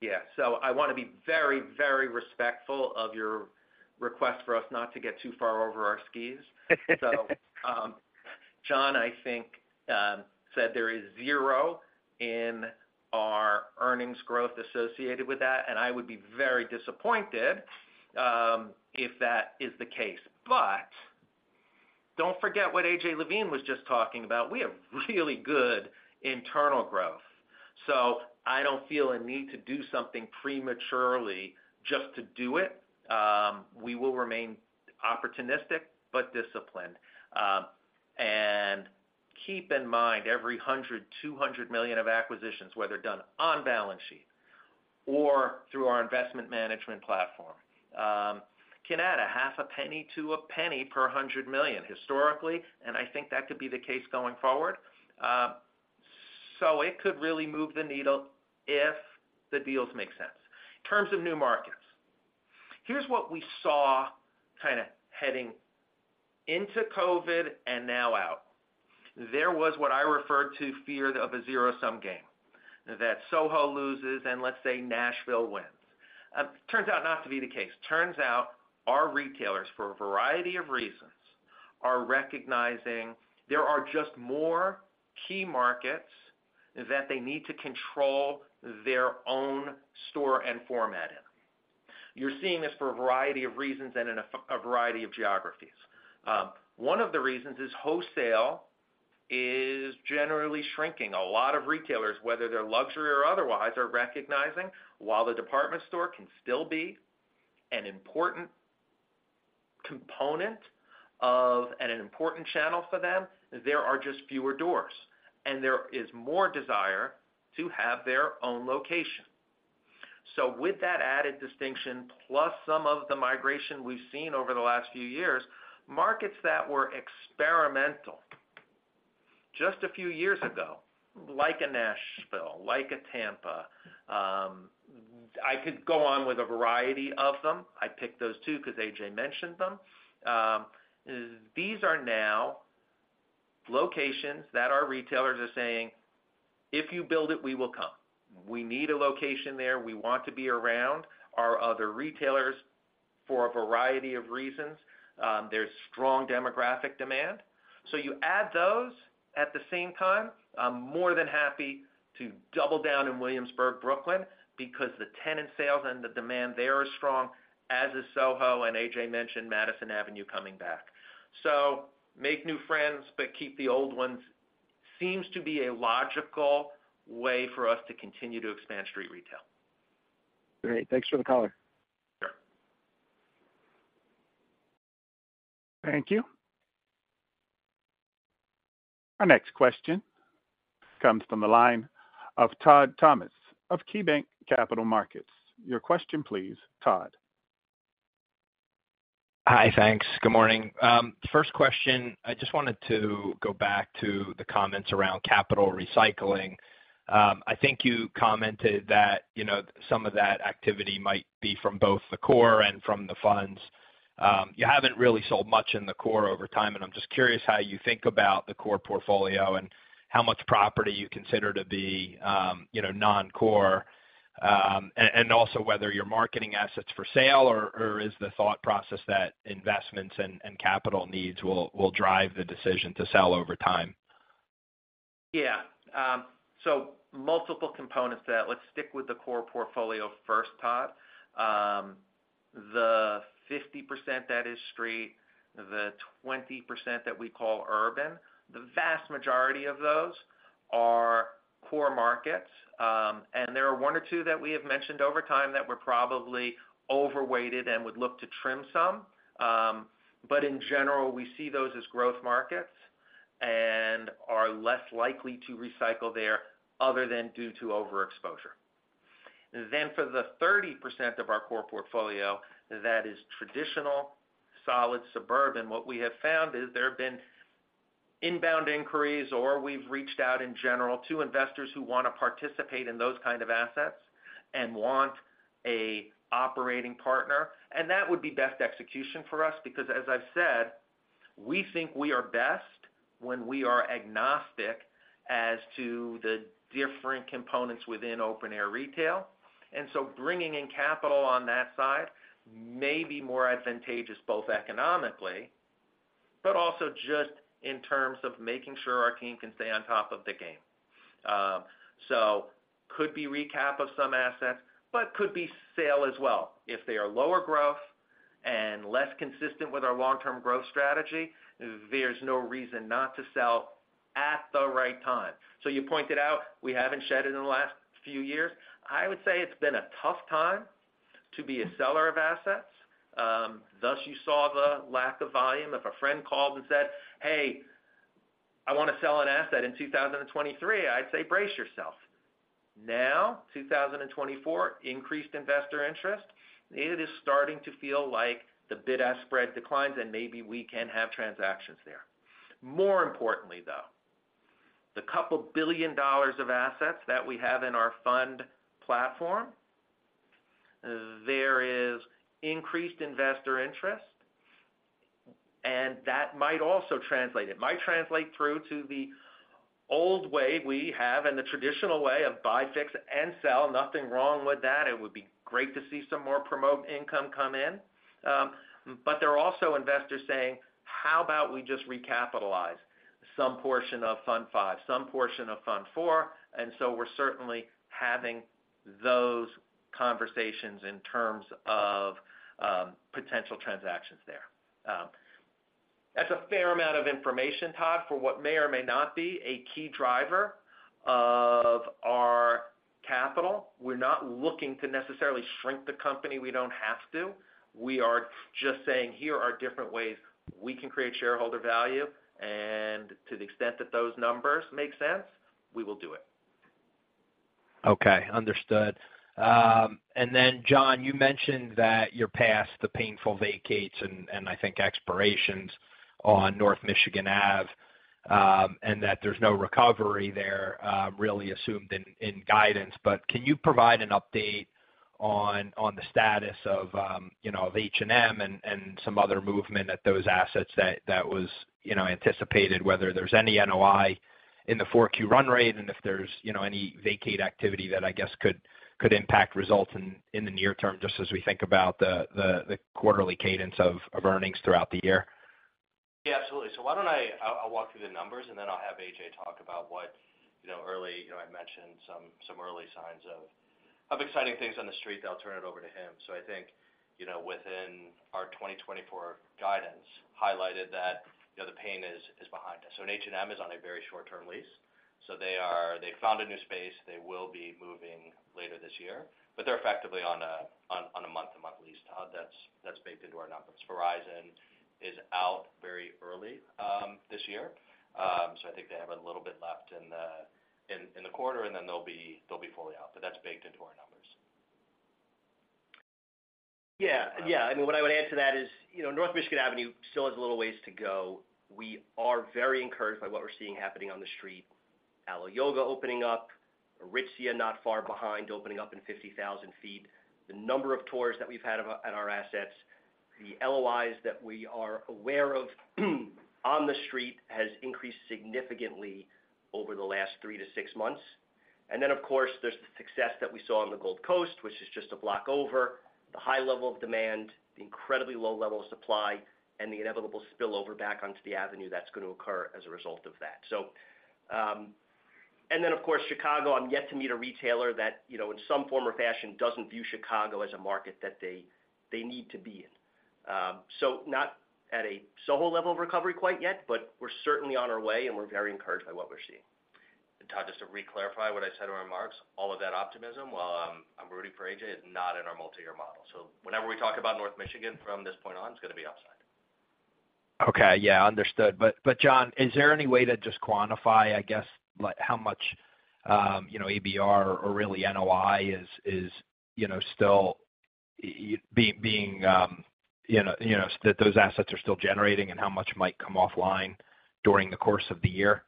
Yeah. So I want to be very, very respectful of your request for us not to get too far over our skis. So John, I think, said there is zero in our earnings growth associated with that, and I would be very disappointed if that is the case. But don't forget what A.J. Levine was just talking about. We have really good internal growth. So I don't feel a need to do something prematurely just to do it. We will remain opportunistic but disciplined. And keep in mind every $100 million-$200 million of acquisitions, whether done on balance sheet or through our investment management platform, can add $0.005-$0.01 per $100 million historically, and I think that could be the case going forward. So it could really move the needle if the deals make sense. In terms of new markets, here's what we saw kind of heading into COVID and now out. There was what I referred to fear of a zero-sum game, that SoHo loses and let's say Nashville wins. Turns out not to be the case. Turns out our retailers, for a variety of reasons, are recognizing there are just more key markets that they need to control their own store and format in. You're seeing this for a variety of reasons and in a variety of geographies. One of the reasons is wholesale is generally shrinking. A lot of retailers, whether they're luxury or otherwise, are recognizing while the department store can still be an important component and an important channel for them, there are just fewer doors, and there is more desire to have their own location. So with that added distinction, plus some of the migration we've seen over the last few years, markets that were experimental just a few years ago, like Nashville, like Tampa—I could go on with a variety of them. I picked those two because A.J. mentioned them. These are now locations that our retailers are saying, "If you build it, we will come. We need a location there. We want to be around our other retailers for a variety of reasons. There's strong demographic demand." So you add those at the same time. I'm more than happy to double down in Williamsburg, Brooklyn because the tenant sales and the demand there is strong, as is SoHo and, A.J. mentioned, Madison Avenue coming back. So make new friends but keep the old ones. Seems to be a logical way for us to continue to expand street retail. Great. Thanks for the color. Sure. Thank you. Our next question comes from the line of Todd Thomas of KeyBanc Capital Markets. Your question, please, Todd. Hi. Thanks. Good morning. First question, I just wanted to go back to the comments around capital recycling. I think you commented that some of that activity might be from both the core and from the funds. You haven't really sold much in the core over time, and I'm just curious how you think about the core portfolio and how much property you consider to be non-core and also whether you're marketing assets for sale or is the thought process that investments and capital needs will drive the decision to sell over time? Yeah. So multiple components to that. Let's stick with the core portfolio first, Todd. The 50% that is street, the 20% that we call urban, the vast majority of those are core markets. And there are one or two that we have mentioned over time that were probably overweighted and would look to trim some. But in general, we see those as growth markets and are less likely to recycle there other than due to overexposure. Then for the 30% of our core portfolio, that is traditional, solid, suburban, what we have found is there have been inbound inquiries or we've reached out in general to investors who want to participate in those kind of assets and want a operating partner. And that would be best execution for us because, as I've said, we think we are best when we are agnostic as to the different components within open-air retail. And so bringing in capital on that side may be more advantageous both economically but also just in terms of making sure our team can stay on top of the game. So could be recap of some assets, but could be sale as well. If they are lower growth and less consistent with our long-term growth strategy, there's no reason not to sell at the right time. So you pointed out we haven't shed it in the last few years. I would say it's been a tough time to be a seller of assets. Thus, you saw the lack of volume. If a friend called and said, "Hey, I want to sell an asset in 2023," I'd say, "Brace yourself." Now, 2024, increased investor interest. It is starting to feel like the bid-ask spread declines, and maybe we can have transactions there. More importantly, though, the couple billion of assets that we have in our fund platform, there is increased investor interest, and that might also translate it. It might translate through to the old way we have and the traditional way of buy, fix, and sell. Nothing wrong with that. It would be great to see some more promote income come in. But there are also investors saying, "How about we just recapitalize some portion of Fund V, some portion of Fund IV?" And so we're certainly having those conversations in terms of potential transactions there. That's a fair amount of information, Todd, for what may or may not be a key driver of our capital. We're not looking to necessarily shrink the company. We don't have to. We are just saying, "Here are different ways we can create shareholder value. To the extent that those numbers make sense, we will do it. Okay. Understood. And then, John, you mentioned that you're past the painful vacates and, I think, expirations on North Michigan Ave and that there's no recovery there really assumed in guidance. But can you provide an update on the status of H&M and some other movement at those assets that was anticipated, whether there's any NOI in the 4Q run rate and if there's any vacate activity that, I guess, could impact results in the near term just as we think about the quarterly cadence of earnings throughout the year? Yeah. Absolutely. So why don't I, I'll walk through the numbers, and then I'll have A.J. talk about what early I mentioned some early signs of exciting things on the street. I'll turn it over to him. So I think within our 2024 guidance, highlighted that the pain is behind us. So an H&M is on a very short-term lease. So they found a new space. They will be moving later this year, but they're effectively on a month-to-month lease, Todd. That's baked into our numbers. Verizon is out very early this year. So I think they have a little bit left in the quarter, and then they'll be fully out. But that's baked into our numbers. Yeah. Yeah. I mean, what I would add to that is North Michigan Avenue still has a little ways to go. We are very encouraged by what we're seeing happening on the street. Alo Yoga opening up, Aritzia not far behind opening up in 50,000 ft. The number of tours that we've had at our assets, the LOIs that we are aware of on the street has increased significantly over the last 3 months-6 months. And then, of course, there's the success that we saw on the Gold Coast, which is just a block over, the high level of demand, the incredibly low level of supply, and the inevitable spillover back onto the avenue that's going to occur as a result of that. And then, of course, Chicago. I'm yet to meet a retailer that in some form or fashion doesn't view Chicago as a market that they need to be in. So not at a SoHo level of recovery quite yet, but we're certainly on our way, and we're very encouraged by what we're seeing. Todd, just to reclarify what I said in my remarks, all of that optimism, while I'm rooting for A.J., is not in our multi-year model. So whenever we talk about North Michigan from this point on, it's going to be upside. Okay. Yeah. Understood. But John, is there any way to just quantify, I guess, how much ABR or really NOI is still being that those assets are still generating and how much might come offline during the course of the year?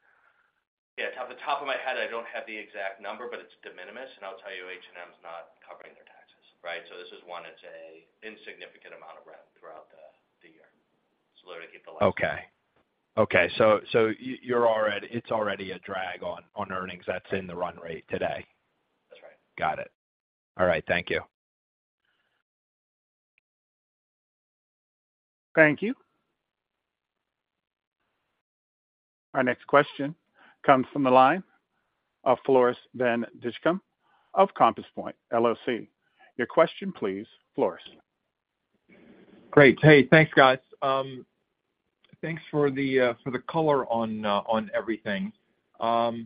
Yeah. Off the top of my head, I don't have the exact number, but it's de minimis. And I'll tell you, H&M's not covering their taxes, right? So this is one that's an insignificant amount of revenue throughout the year. It's literally keep the light. Okay. Okay. It's already a drag on earnings that's in the run rate today. That's right. Got it. All right. Thank you. Thank you. Our next question comes from the line of Floris van Dijkum of Compass Point, LLC. Your question, please, Floris. Great. Hey, thanks, guys. Thanks for the color on everything. Can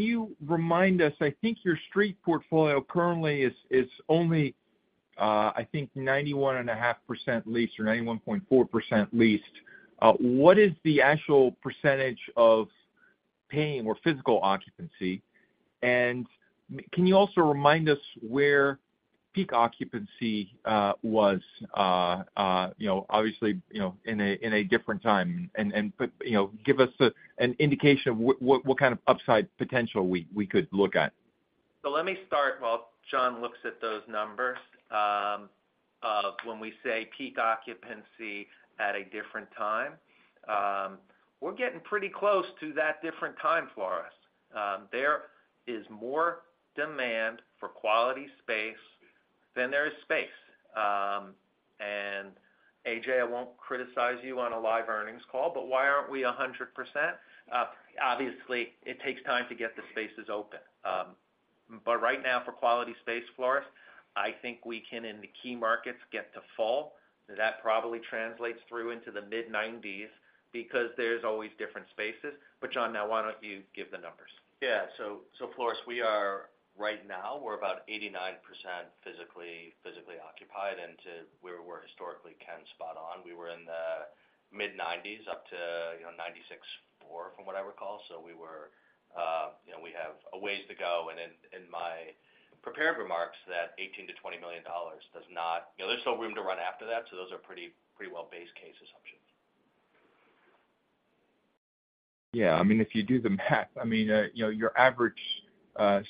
you remind us? I think your street portfolio currently is only, I think, 91.5% leased or 91.4% leased. What is the actual percentage of paying or physical occupancy? And can you also remind us where peak occupancy was, obviously, in a different time? And give us an indication of what kind of upside potential we could look at. So let me start while John looks at those numbers of when we say peak occupancy at a different time. We're getting pretty close to that different time, Floris. There is more demand for quality space than there is space. And A.J., I won't criticize you on a live earnings call, but why aren't we 100%? Obviously, it takes time to get the spaces open. But right now, for quality space, Floris, I think we can, in the key markets, get to full. That probably translates through into the mid-90s because there's always different spaces. But John, now why don't you give the numbers? Yeah. So Floris, right now, we're about 89% physically occupied, and we're historically spot on. We were in the mid-90s up to 96.4% from what I recall. So we have a ways to go. In my prepared remarks, that $18 million-$20 million does not. There's still room to run after that. So those are pretty well base case assumptions. Yeah. I mean, if you do the math, I mean, your average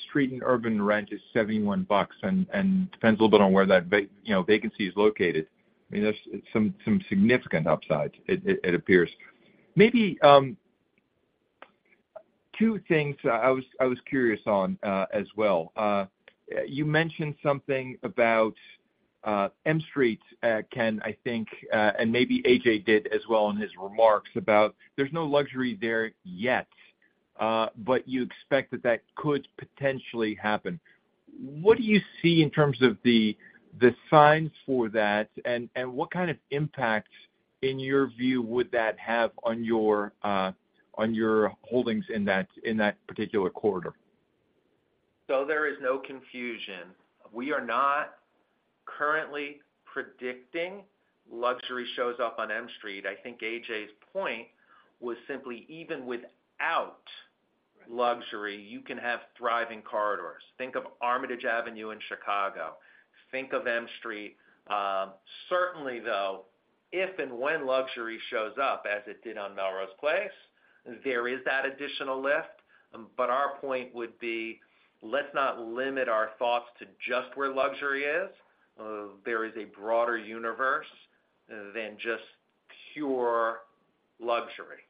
street and urban rent is $71 and depends a little bit on where that vacancy is located. I mean, there's some significant upside, it appears. Maybe two things I was curious on as well. You mentioned something about M Street, Ken, I mean, and maybe A.J. did as well in his remarks about there's no luxury there yet, but you expect that that could potentially happen. What do you see in terms of the signs for that, and what kind of impact, in your view, would that have on your holdings in that particular quarter? So there is no confusion. We are not currently predicting luxury shows up on M Street. I think A.J.'s point was simply, even without luxury, you can have thriving corridors. Think of Armitage Avenue in Chicago. Think of M Street. Certainly, though, if and when luxury shows up, as it did on Melrose Place, there is that additional lift. But our point would be, let's not limit our thoughts to just where luxury is. There is a broader universe than just pure luxury.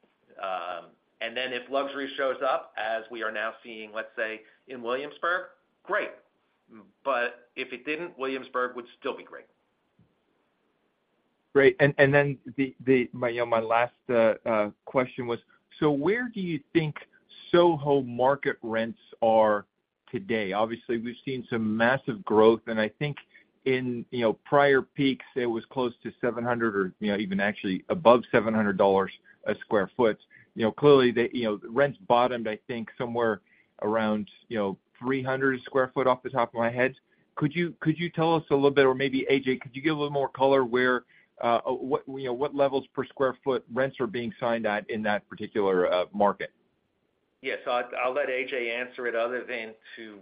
And then if luxury shows up, as we are now seeing, let's say, in Williamsburg, great. But if it didn't, Williamsburg would still be great. Great. And then my last question was, so where do you think SoHo market rents are today? Obviously, we've seen some massive growth, and I think in prior peaks, it was close to 700 or even actually above $700 sq ft. Clearly, rents bottomed, I think, somewhere around $300 sq ft off the top of my head. Could you tell us a little bit or maybe A.J., could you give a little more color where what levels per sq ft rents are being signed at in that particular market? Yeah. So I'll let A.J. answer it other than to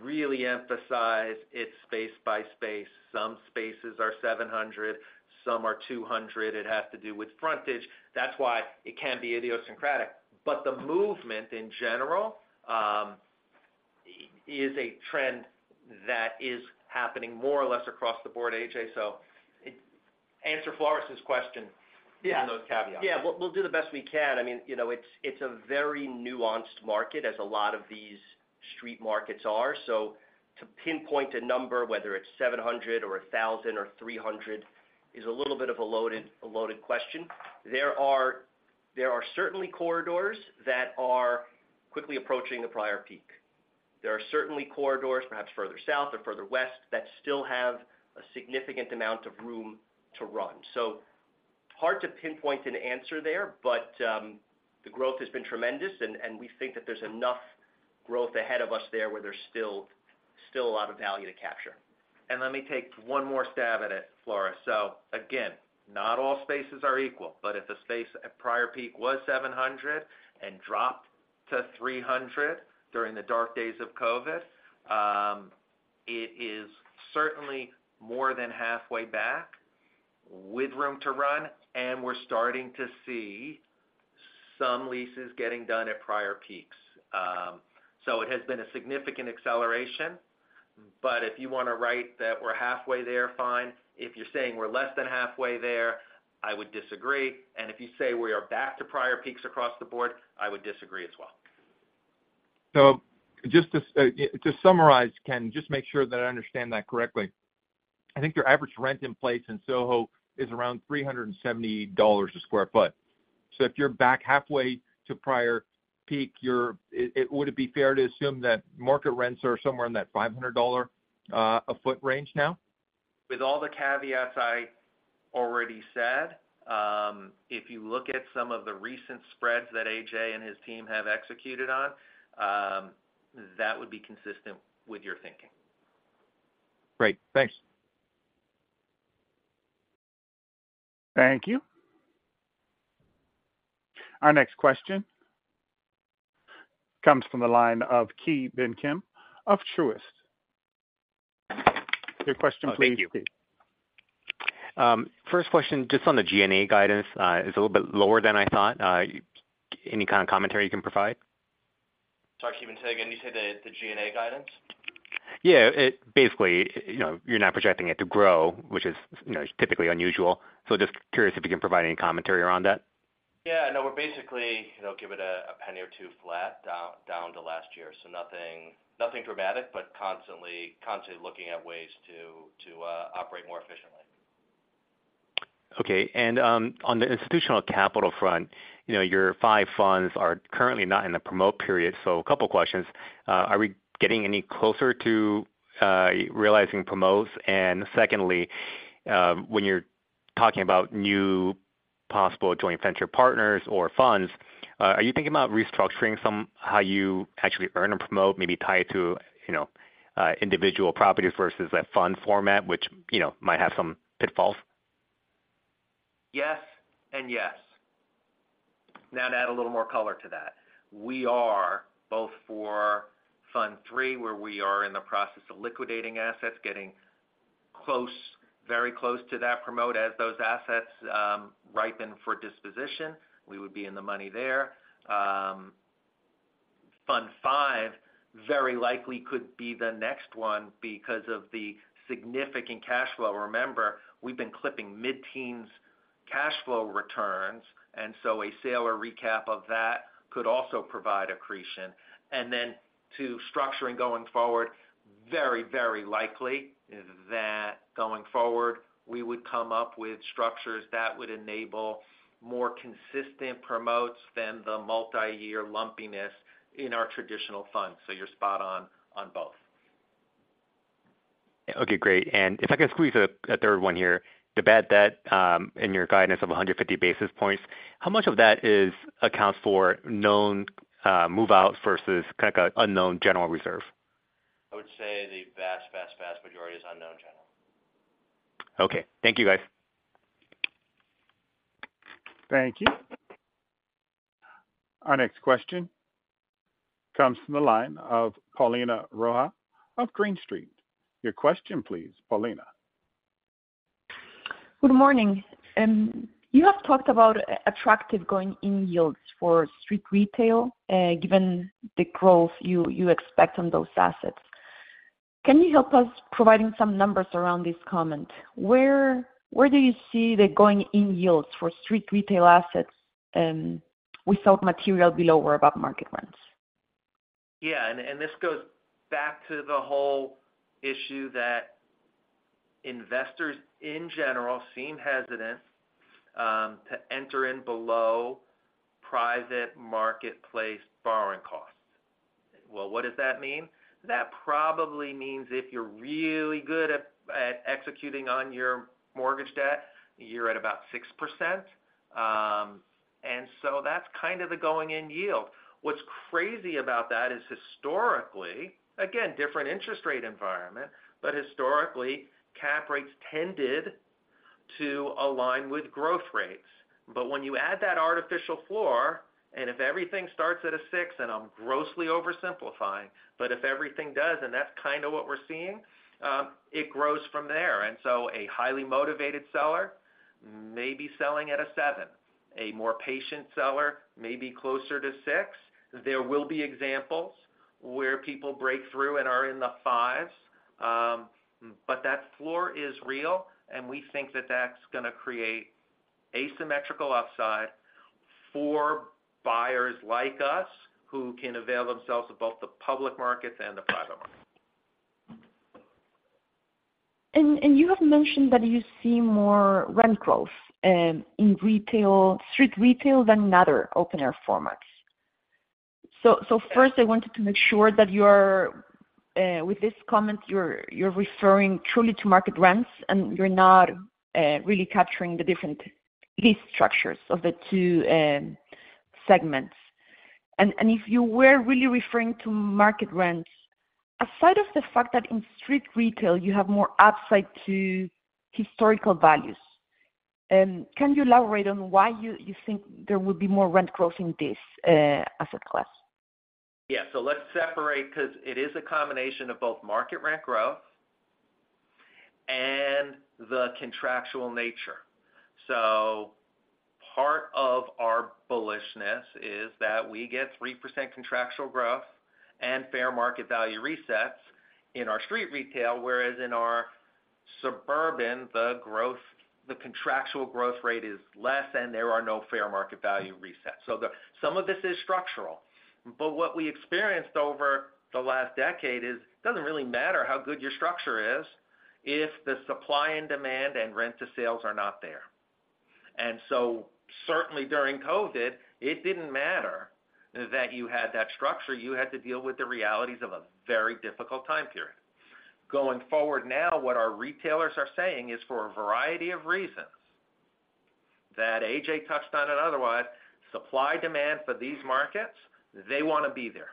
really emphasize it's space by space. Some spaces are 700. Some are 200. It has to do with frontage. That's why it can be idiosyncratic. But the movement, in general, is a trend that is happening more or less across the board, A.J.. So answer Floris's question on those caveats. Yeah. Yeah. We'll do the best we can. I mean, it's a very nuanced market as a lot of these street markets are. So to pinpoint a number, whether it's 700 or 1,000 or 300, is a little bit of a loaded question. There are certainly corridors that are quickly approaching the prior peak. There are certainly corridors, perhaps further south or further west, that still have a significant amount of room to run. So hard to pinpoint an answer there, but the growth has been tremendous, and we think that there's enough growth ahead of us there where there's still a lot of value to capture. And let me take one more stab at it, Floris. So again, not all spaces are equal, but if a space at prior peak was 700 and dropped to 300 during the dark days of COVID, it is certainly more than halfway back with room to run, and we're starting to see some leases getting done at prior peaks. So it has been a significant acceleration. But if you want to write that we're halfway there, fine. If you're saying we're less than halfway there, I would disagree. And if you say we are back to prior peaks across the board, I would disagree as well. So just to summarize, Ken, just to make sure that I understand that correctly, I think your average rent in place in SoHo is around $370/sq ft. So if you're back halfway to prior peak, would it be fair to assume that market rents are somewhere in that $500/sq ft range now? With all the caveats I already said, if you look at some of the recent spreads that A.J. and his team have executed on, that would be consistent with your thinking. Great. Thanks. Thank you. Our next question comes from the line of Ki Bin Kim of Truist. Your question, please, Ki. First question, just on the G&A guidance, it's a little bit lower than I thought. Any kind of commentary you can provide? Sorry, Ki. Again, you say the G&A guidance? Yeah. Basically, you're not projecting it to grow, which is typically unusual. So just curious if you can provide any commentary around that. Yeah. No, we're basically give it $0.01-$0.02 flat down to last year. So nothing dramatic, but constantly looking at ways to operate more efficiently. Okay. On the institutional capital front, your five fund are currently not in the promote period. So a couple of questions. Are we getting any closer to realizing promotes? And secondly, when you're talking about new possible joint venture partners or funds, are you thinking about restructuring somehow you actually earn and promote, maybe tie it to individual properties versus that fund format, which might have some pitfalls? Yes and yes. Now to add a little more color to that, we are both for Fund III, where we are in the process of liquidating assets, getting very close to that promote as those assets ripen for disposition. We would be in the money there. Fund V very likely could be the next one because of the significant cash flow. Remember, we've been clipping mid-teens cash flow returns, and so a sale or recap of that could also provide accretion. And then to structuring going forward, very, very likely that going forward, we would come up with structures that would enable more consistent promotes than the multi-year lumpiness in our traditional funds. So you're spot on on both. Okay. Great. And if I could squeeze a third one here, to get that in your guidance of 150 basis points, how much of that accounts for known move-outs versus kind of an unknown general reserve? I would say the vast, vast, vast majority is unknown general. Okay. Thank you, guys. Thank you. Our next question comes from the line of Paulina Rojas of Green Street. Your question, please, Paulina. Good morning. You have talked about attractive Going-In Yields for street retail, given the growth you expect on those assets. Can you help us providing some numbers around this comment? Where do you see the Going-In Yields for street retail assets without material below or above market rents? Yeah. And this goes back to the whole issue that investors, in general, seem hesitant to enter in below private marketplace borrowing costs. Well, what does that mean? That probably means if you're really good at executing on your mortgage debt, you're at about 6%. And so that's kind of the going-in yield. What's crazy about that is historically, again, different interest rate environment, but historically, cap rates tended to align with growth rates. But when you add that artificial floor, and if everything starts at a 6%, and I'm grossly oversimplifying, but if everything does, and that's kind of what we're seeing, it grows from there. And so a highly motivated seller may be selling at a 7%. A more patient seller may be closer to 6%. There will be examples where people break through and are in the 5%s. But that floor is real, and we think that that's going to create asymmetrical upside for buyers like us who can avail themselves of both the public market and the private market. You have mentioned that you see more rent growth in street retail than in other open-air formats. First, I wanted to make sure that with this comment, you're referring truly to market rents, and you're not really capturing the different lease structures of the two segments. If you were really referring to market rents, aside from the fact that in street retail, you have more upside to historical values, can you elaborate on why you think there would be more rent growth in this asset class? Yeah. So let's separate because it is a combination of both market rent growth and the contractual nature. So part of our bullishness is that we get 3% contractual growth and fair market value resets in our street retail, whereas in our suburban, the contractual growth rate is less, and there are no fair market value resets. So some of this is structural. But what we experienced over the last decade is it doesn't really matter how good your structure is if the supply and demand and rent to sales are not there. And so certainly, during COVID, it didn't matter that you had that structure. You had to deal with the realities of a very difficult time period. Going forward now, what our retailers are saying is, for a variety of reasons that A.J. touched on and otherwise, supply-demand for these markets, they want to be there.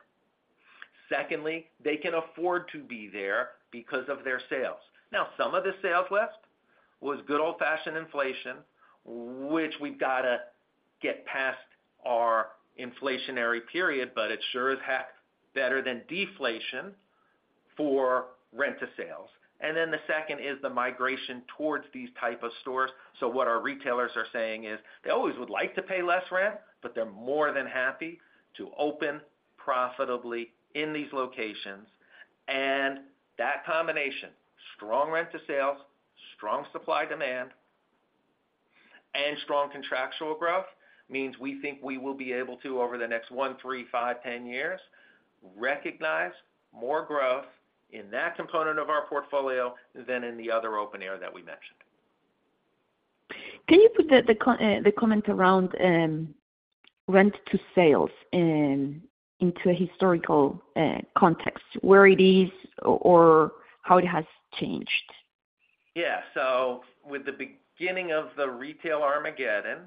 Secondly, they can afford to be there because of their sales. Now, some of the sales lift was good old-fashioned inflation, which we've got to get past our inflationary period, but it sure as heck is better than deflation for rent to sales. And then the second is the migration towards these types of stores. So what our retailers are saying is they always would like to pay less rent, but they're more than happy to open profitably in these locations. And that combination, strong rent to sales, strong supply-demand, and strong contractual growth means we think we will be able to, over the next one, three, five, 10 years, recognize more growth in that component of our portfolio than in the other open-air that we mentioned. Can you put the comment around rent to sales into a historical context, where it is or how it has changed? Yeah. So with the beginning of the retail Armageddon,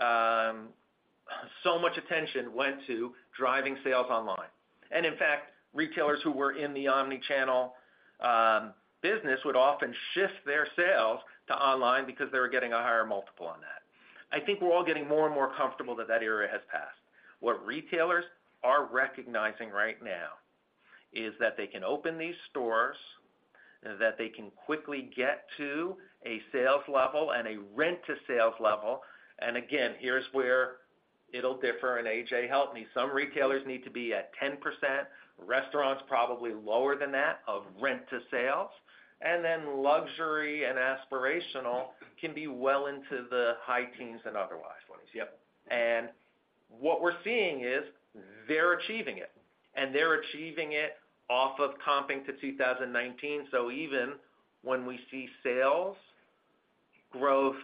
so much attention went to driving sales online. In fact, retailers who were in the omnichannel business would often shift their sales to online because they were getting a higher multiple on that. I think we're all getting more and more comfortable that that era has passed. What retailers are recognizing right now is that they can open these stores, that they can quickly get to a sales level and a rent-to-sales level. Again, here's where it'll differ, and A.J. helped me. Some retailers need to be at 10%, restaurants probably lower than that of rent to sales. Then luxury and aspirational can be well into the high teens and otherwise ones. What we're seeing is they're achieving it, and they're achieving it off of comping to 2019. So even when we see sales growth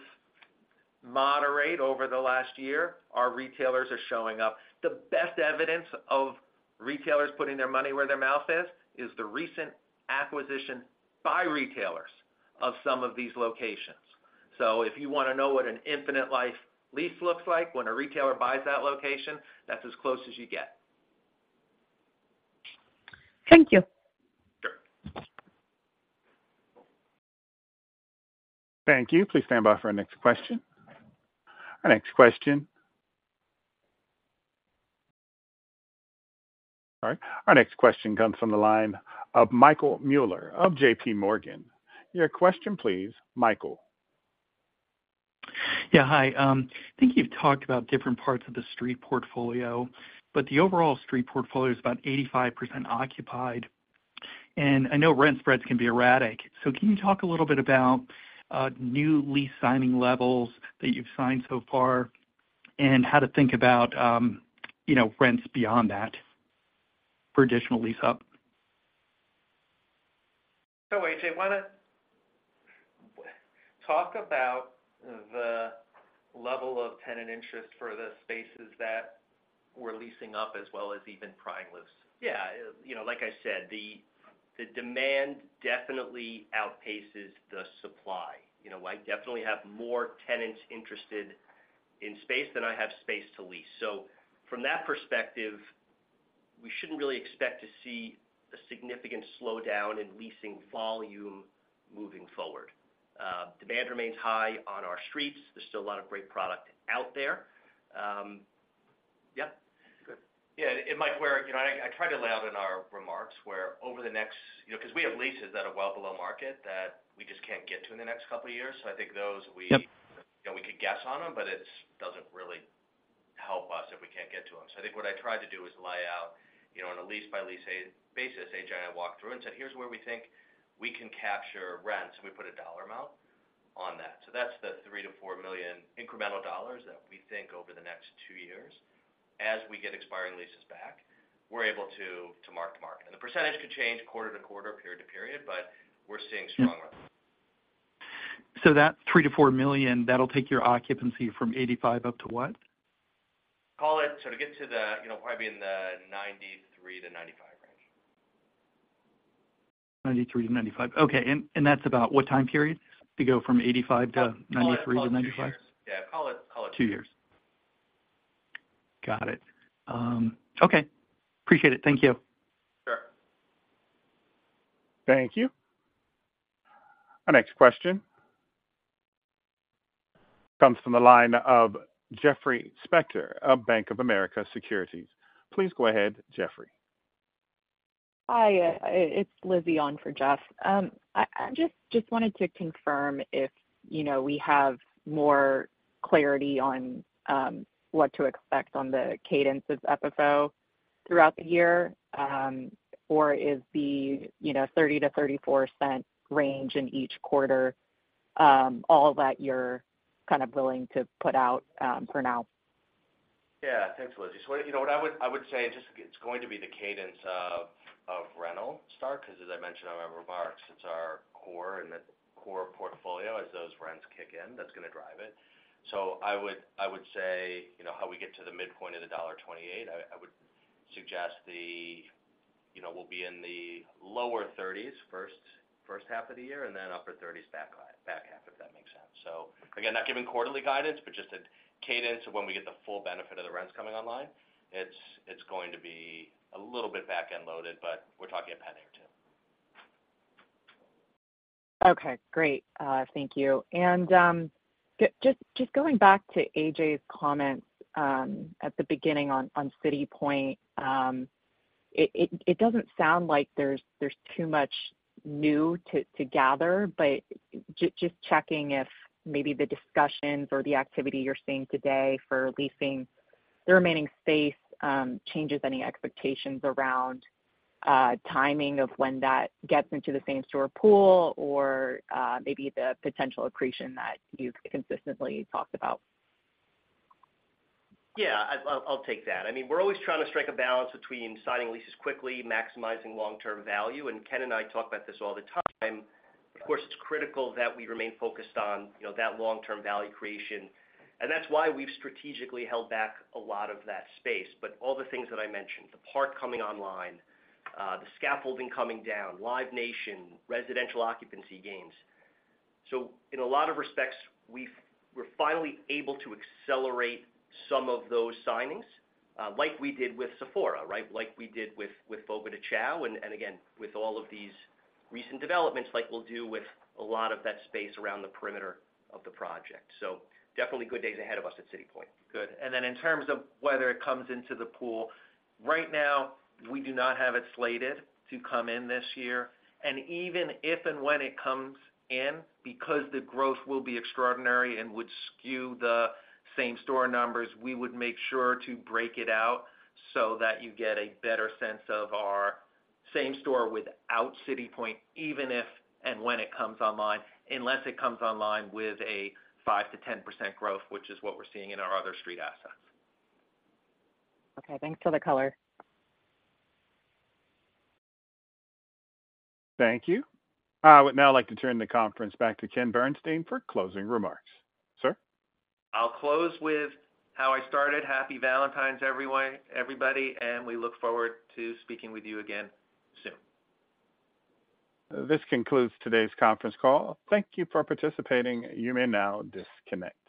moderate over the last year, our retailers are showing up. The best evidence of retailers putting their money where their mouth is is the recent acquisition by retailers of some of these locations. So if you want to know what an infinite-life lease looks like when a retailer buys that location, that's as close as you get. Thank you. Sure. Thank you. Please stand by for our next question. Our next question. All right. Our next question comes from the line of Michael Mueller of JPMorgan. Your question, please, Michael. Yeah. Hi. I think you've talked about different parts of the street portfolio, but the overall street portfolio is about 85% occupied. I know rent spreads can be erratic. Can you talk a little bit about new lease signing levels that you've signed so far and how to think about rents beyond that for additional lease-up? So A.J., why not talk about the level of tenant interest for the spaces that we're leasing up as well as even prying loose? Yeah. Like I said, the demand definitely outpaces the supply. I definitely have more tenants interested in space than I have space to lease. So from that perspective, we shouldn't really expect to see a significant slowdown in leasing volume moving forward. Demand remains high on our streets. There's still a lot of great product out there. Yep. Yeah. And Mike, where I tried to lay out in our remarks where over the next because we have leases that are well below market that we just can't get to in the next couple of years. So I think those we could guess on them, but it doesn't really help us if we can't get to them. So I think what I tried to do is lay out on a lease-by-lease basis. A.J. and I walked through and said, "Here's where we think we can capture rents." And we put a dollar amount on that. So that's the $3 million-$4 million incremental dollars that we think over the next two years, as we get expiring leases back, we're able to mark-to-market. And the percentage could change quarter to quarter, period to period, but we're seeing strong rents. So that $3 million-4 million, that'll take your occupancy from 85% up to what? Call it so to get to the probably be in the 93%-95% range. 93-95. Okay. And that's about what time period to go from 85% to 93% to 95%? Yeah. Call it. Two years. Got it. Okay. Appreciate it. Thank you. Sure. Thank you. Our next question comes from the line of Jeffrey Spector of Bank of America Securities. Please go ahead, Jeffrey. Hi. It's Lizzie on for Jeff. I just wanted to confirm if we have more clarity on what to expect on the cadence of FFO throughout the year, or is the $0.30-$0.34 range in each quarter all that you're kind of willing to put out for now? Yeah. Thanks, Lizzie. So what I would say, and it's going to be the cadence of rental start because, as I mentioned in my remarks, it's our core and the core portfolio as those rents kick in that's going to drive it. So I would say how we get to the midpoint of the $1.28, I would suggest we'll be in the lower 30s first half of the year and then upper 30s back half, if that makes sense. So again, not giving quarterly guidance, but just a cadence of when we get the full benefit of the rents coming online. It's going to be a little bit back-end loaded, but we're talking a penny or two. Okay. Great. Thank you. Just going back to A.J.'s comments at the beginning on City Point, it doesn't sound like there's too much new to gather, but just checking if maybe the discussions or the activity you're seeing today for leasing the remaining space changes any expectations around timing of when that gets into the same-store pool or maybe the potential accretion that you've consistently talked about. Yeah. I'll take that. I mean, we're always trying to strike a balance between signing leases quickly, maximizing long-term value. And Ken and I talk about this all the time. Of course, it's critical that we remain focused on that long-term value creation. And that's why we've strategically held back a lot of that space. But all the things that I mentioned, the park coming online, the scaffolding coming down, Live Nation, residential occupancy gains. So in a lot of respects, we're finally able to accelerate some of those signings like we did with Sephora, right, like we did with Fogo de Chão, and again, with all of these recent developments like we'll do with a lot of that space around the perimeter of the project. So definitely good days ahead of us at City Point. Good. Then in terms of whether it comes into the pool, right now, we do not have it slated to come in this year. Even if and when it comes in, because the growth will be extraordinary and would skew the same-store numbers, we would make sure to break it out so that you get a better sense of our same-store without City Point, even if and when it comes online, unless it comes online with a 5%-10% growth, which is what we're seeing in our other street assets. Okay. Thanks for the color. Thank you. I would now like to turn the conference back to Ken Bernstein for closing remarks. Sir? I'll close with how I started. Happy Valentine's, everybody, and we look forward to speaking with you again soon. This concludes today's conference call. Thank you for participating. You may now disconnect.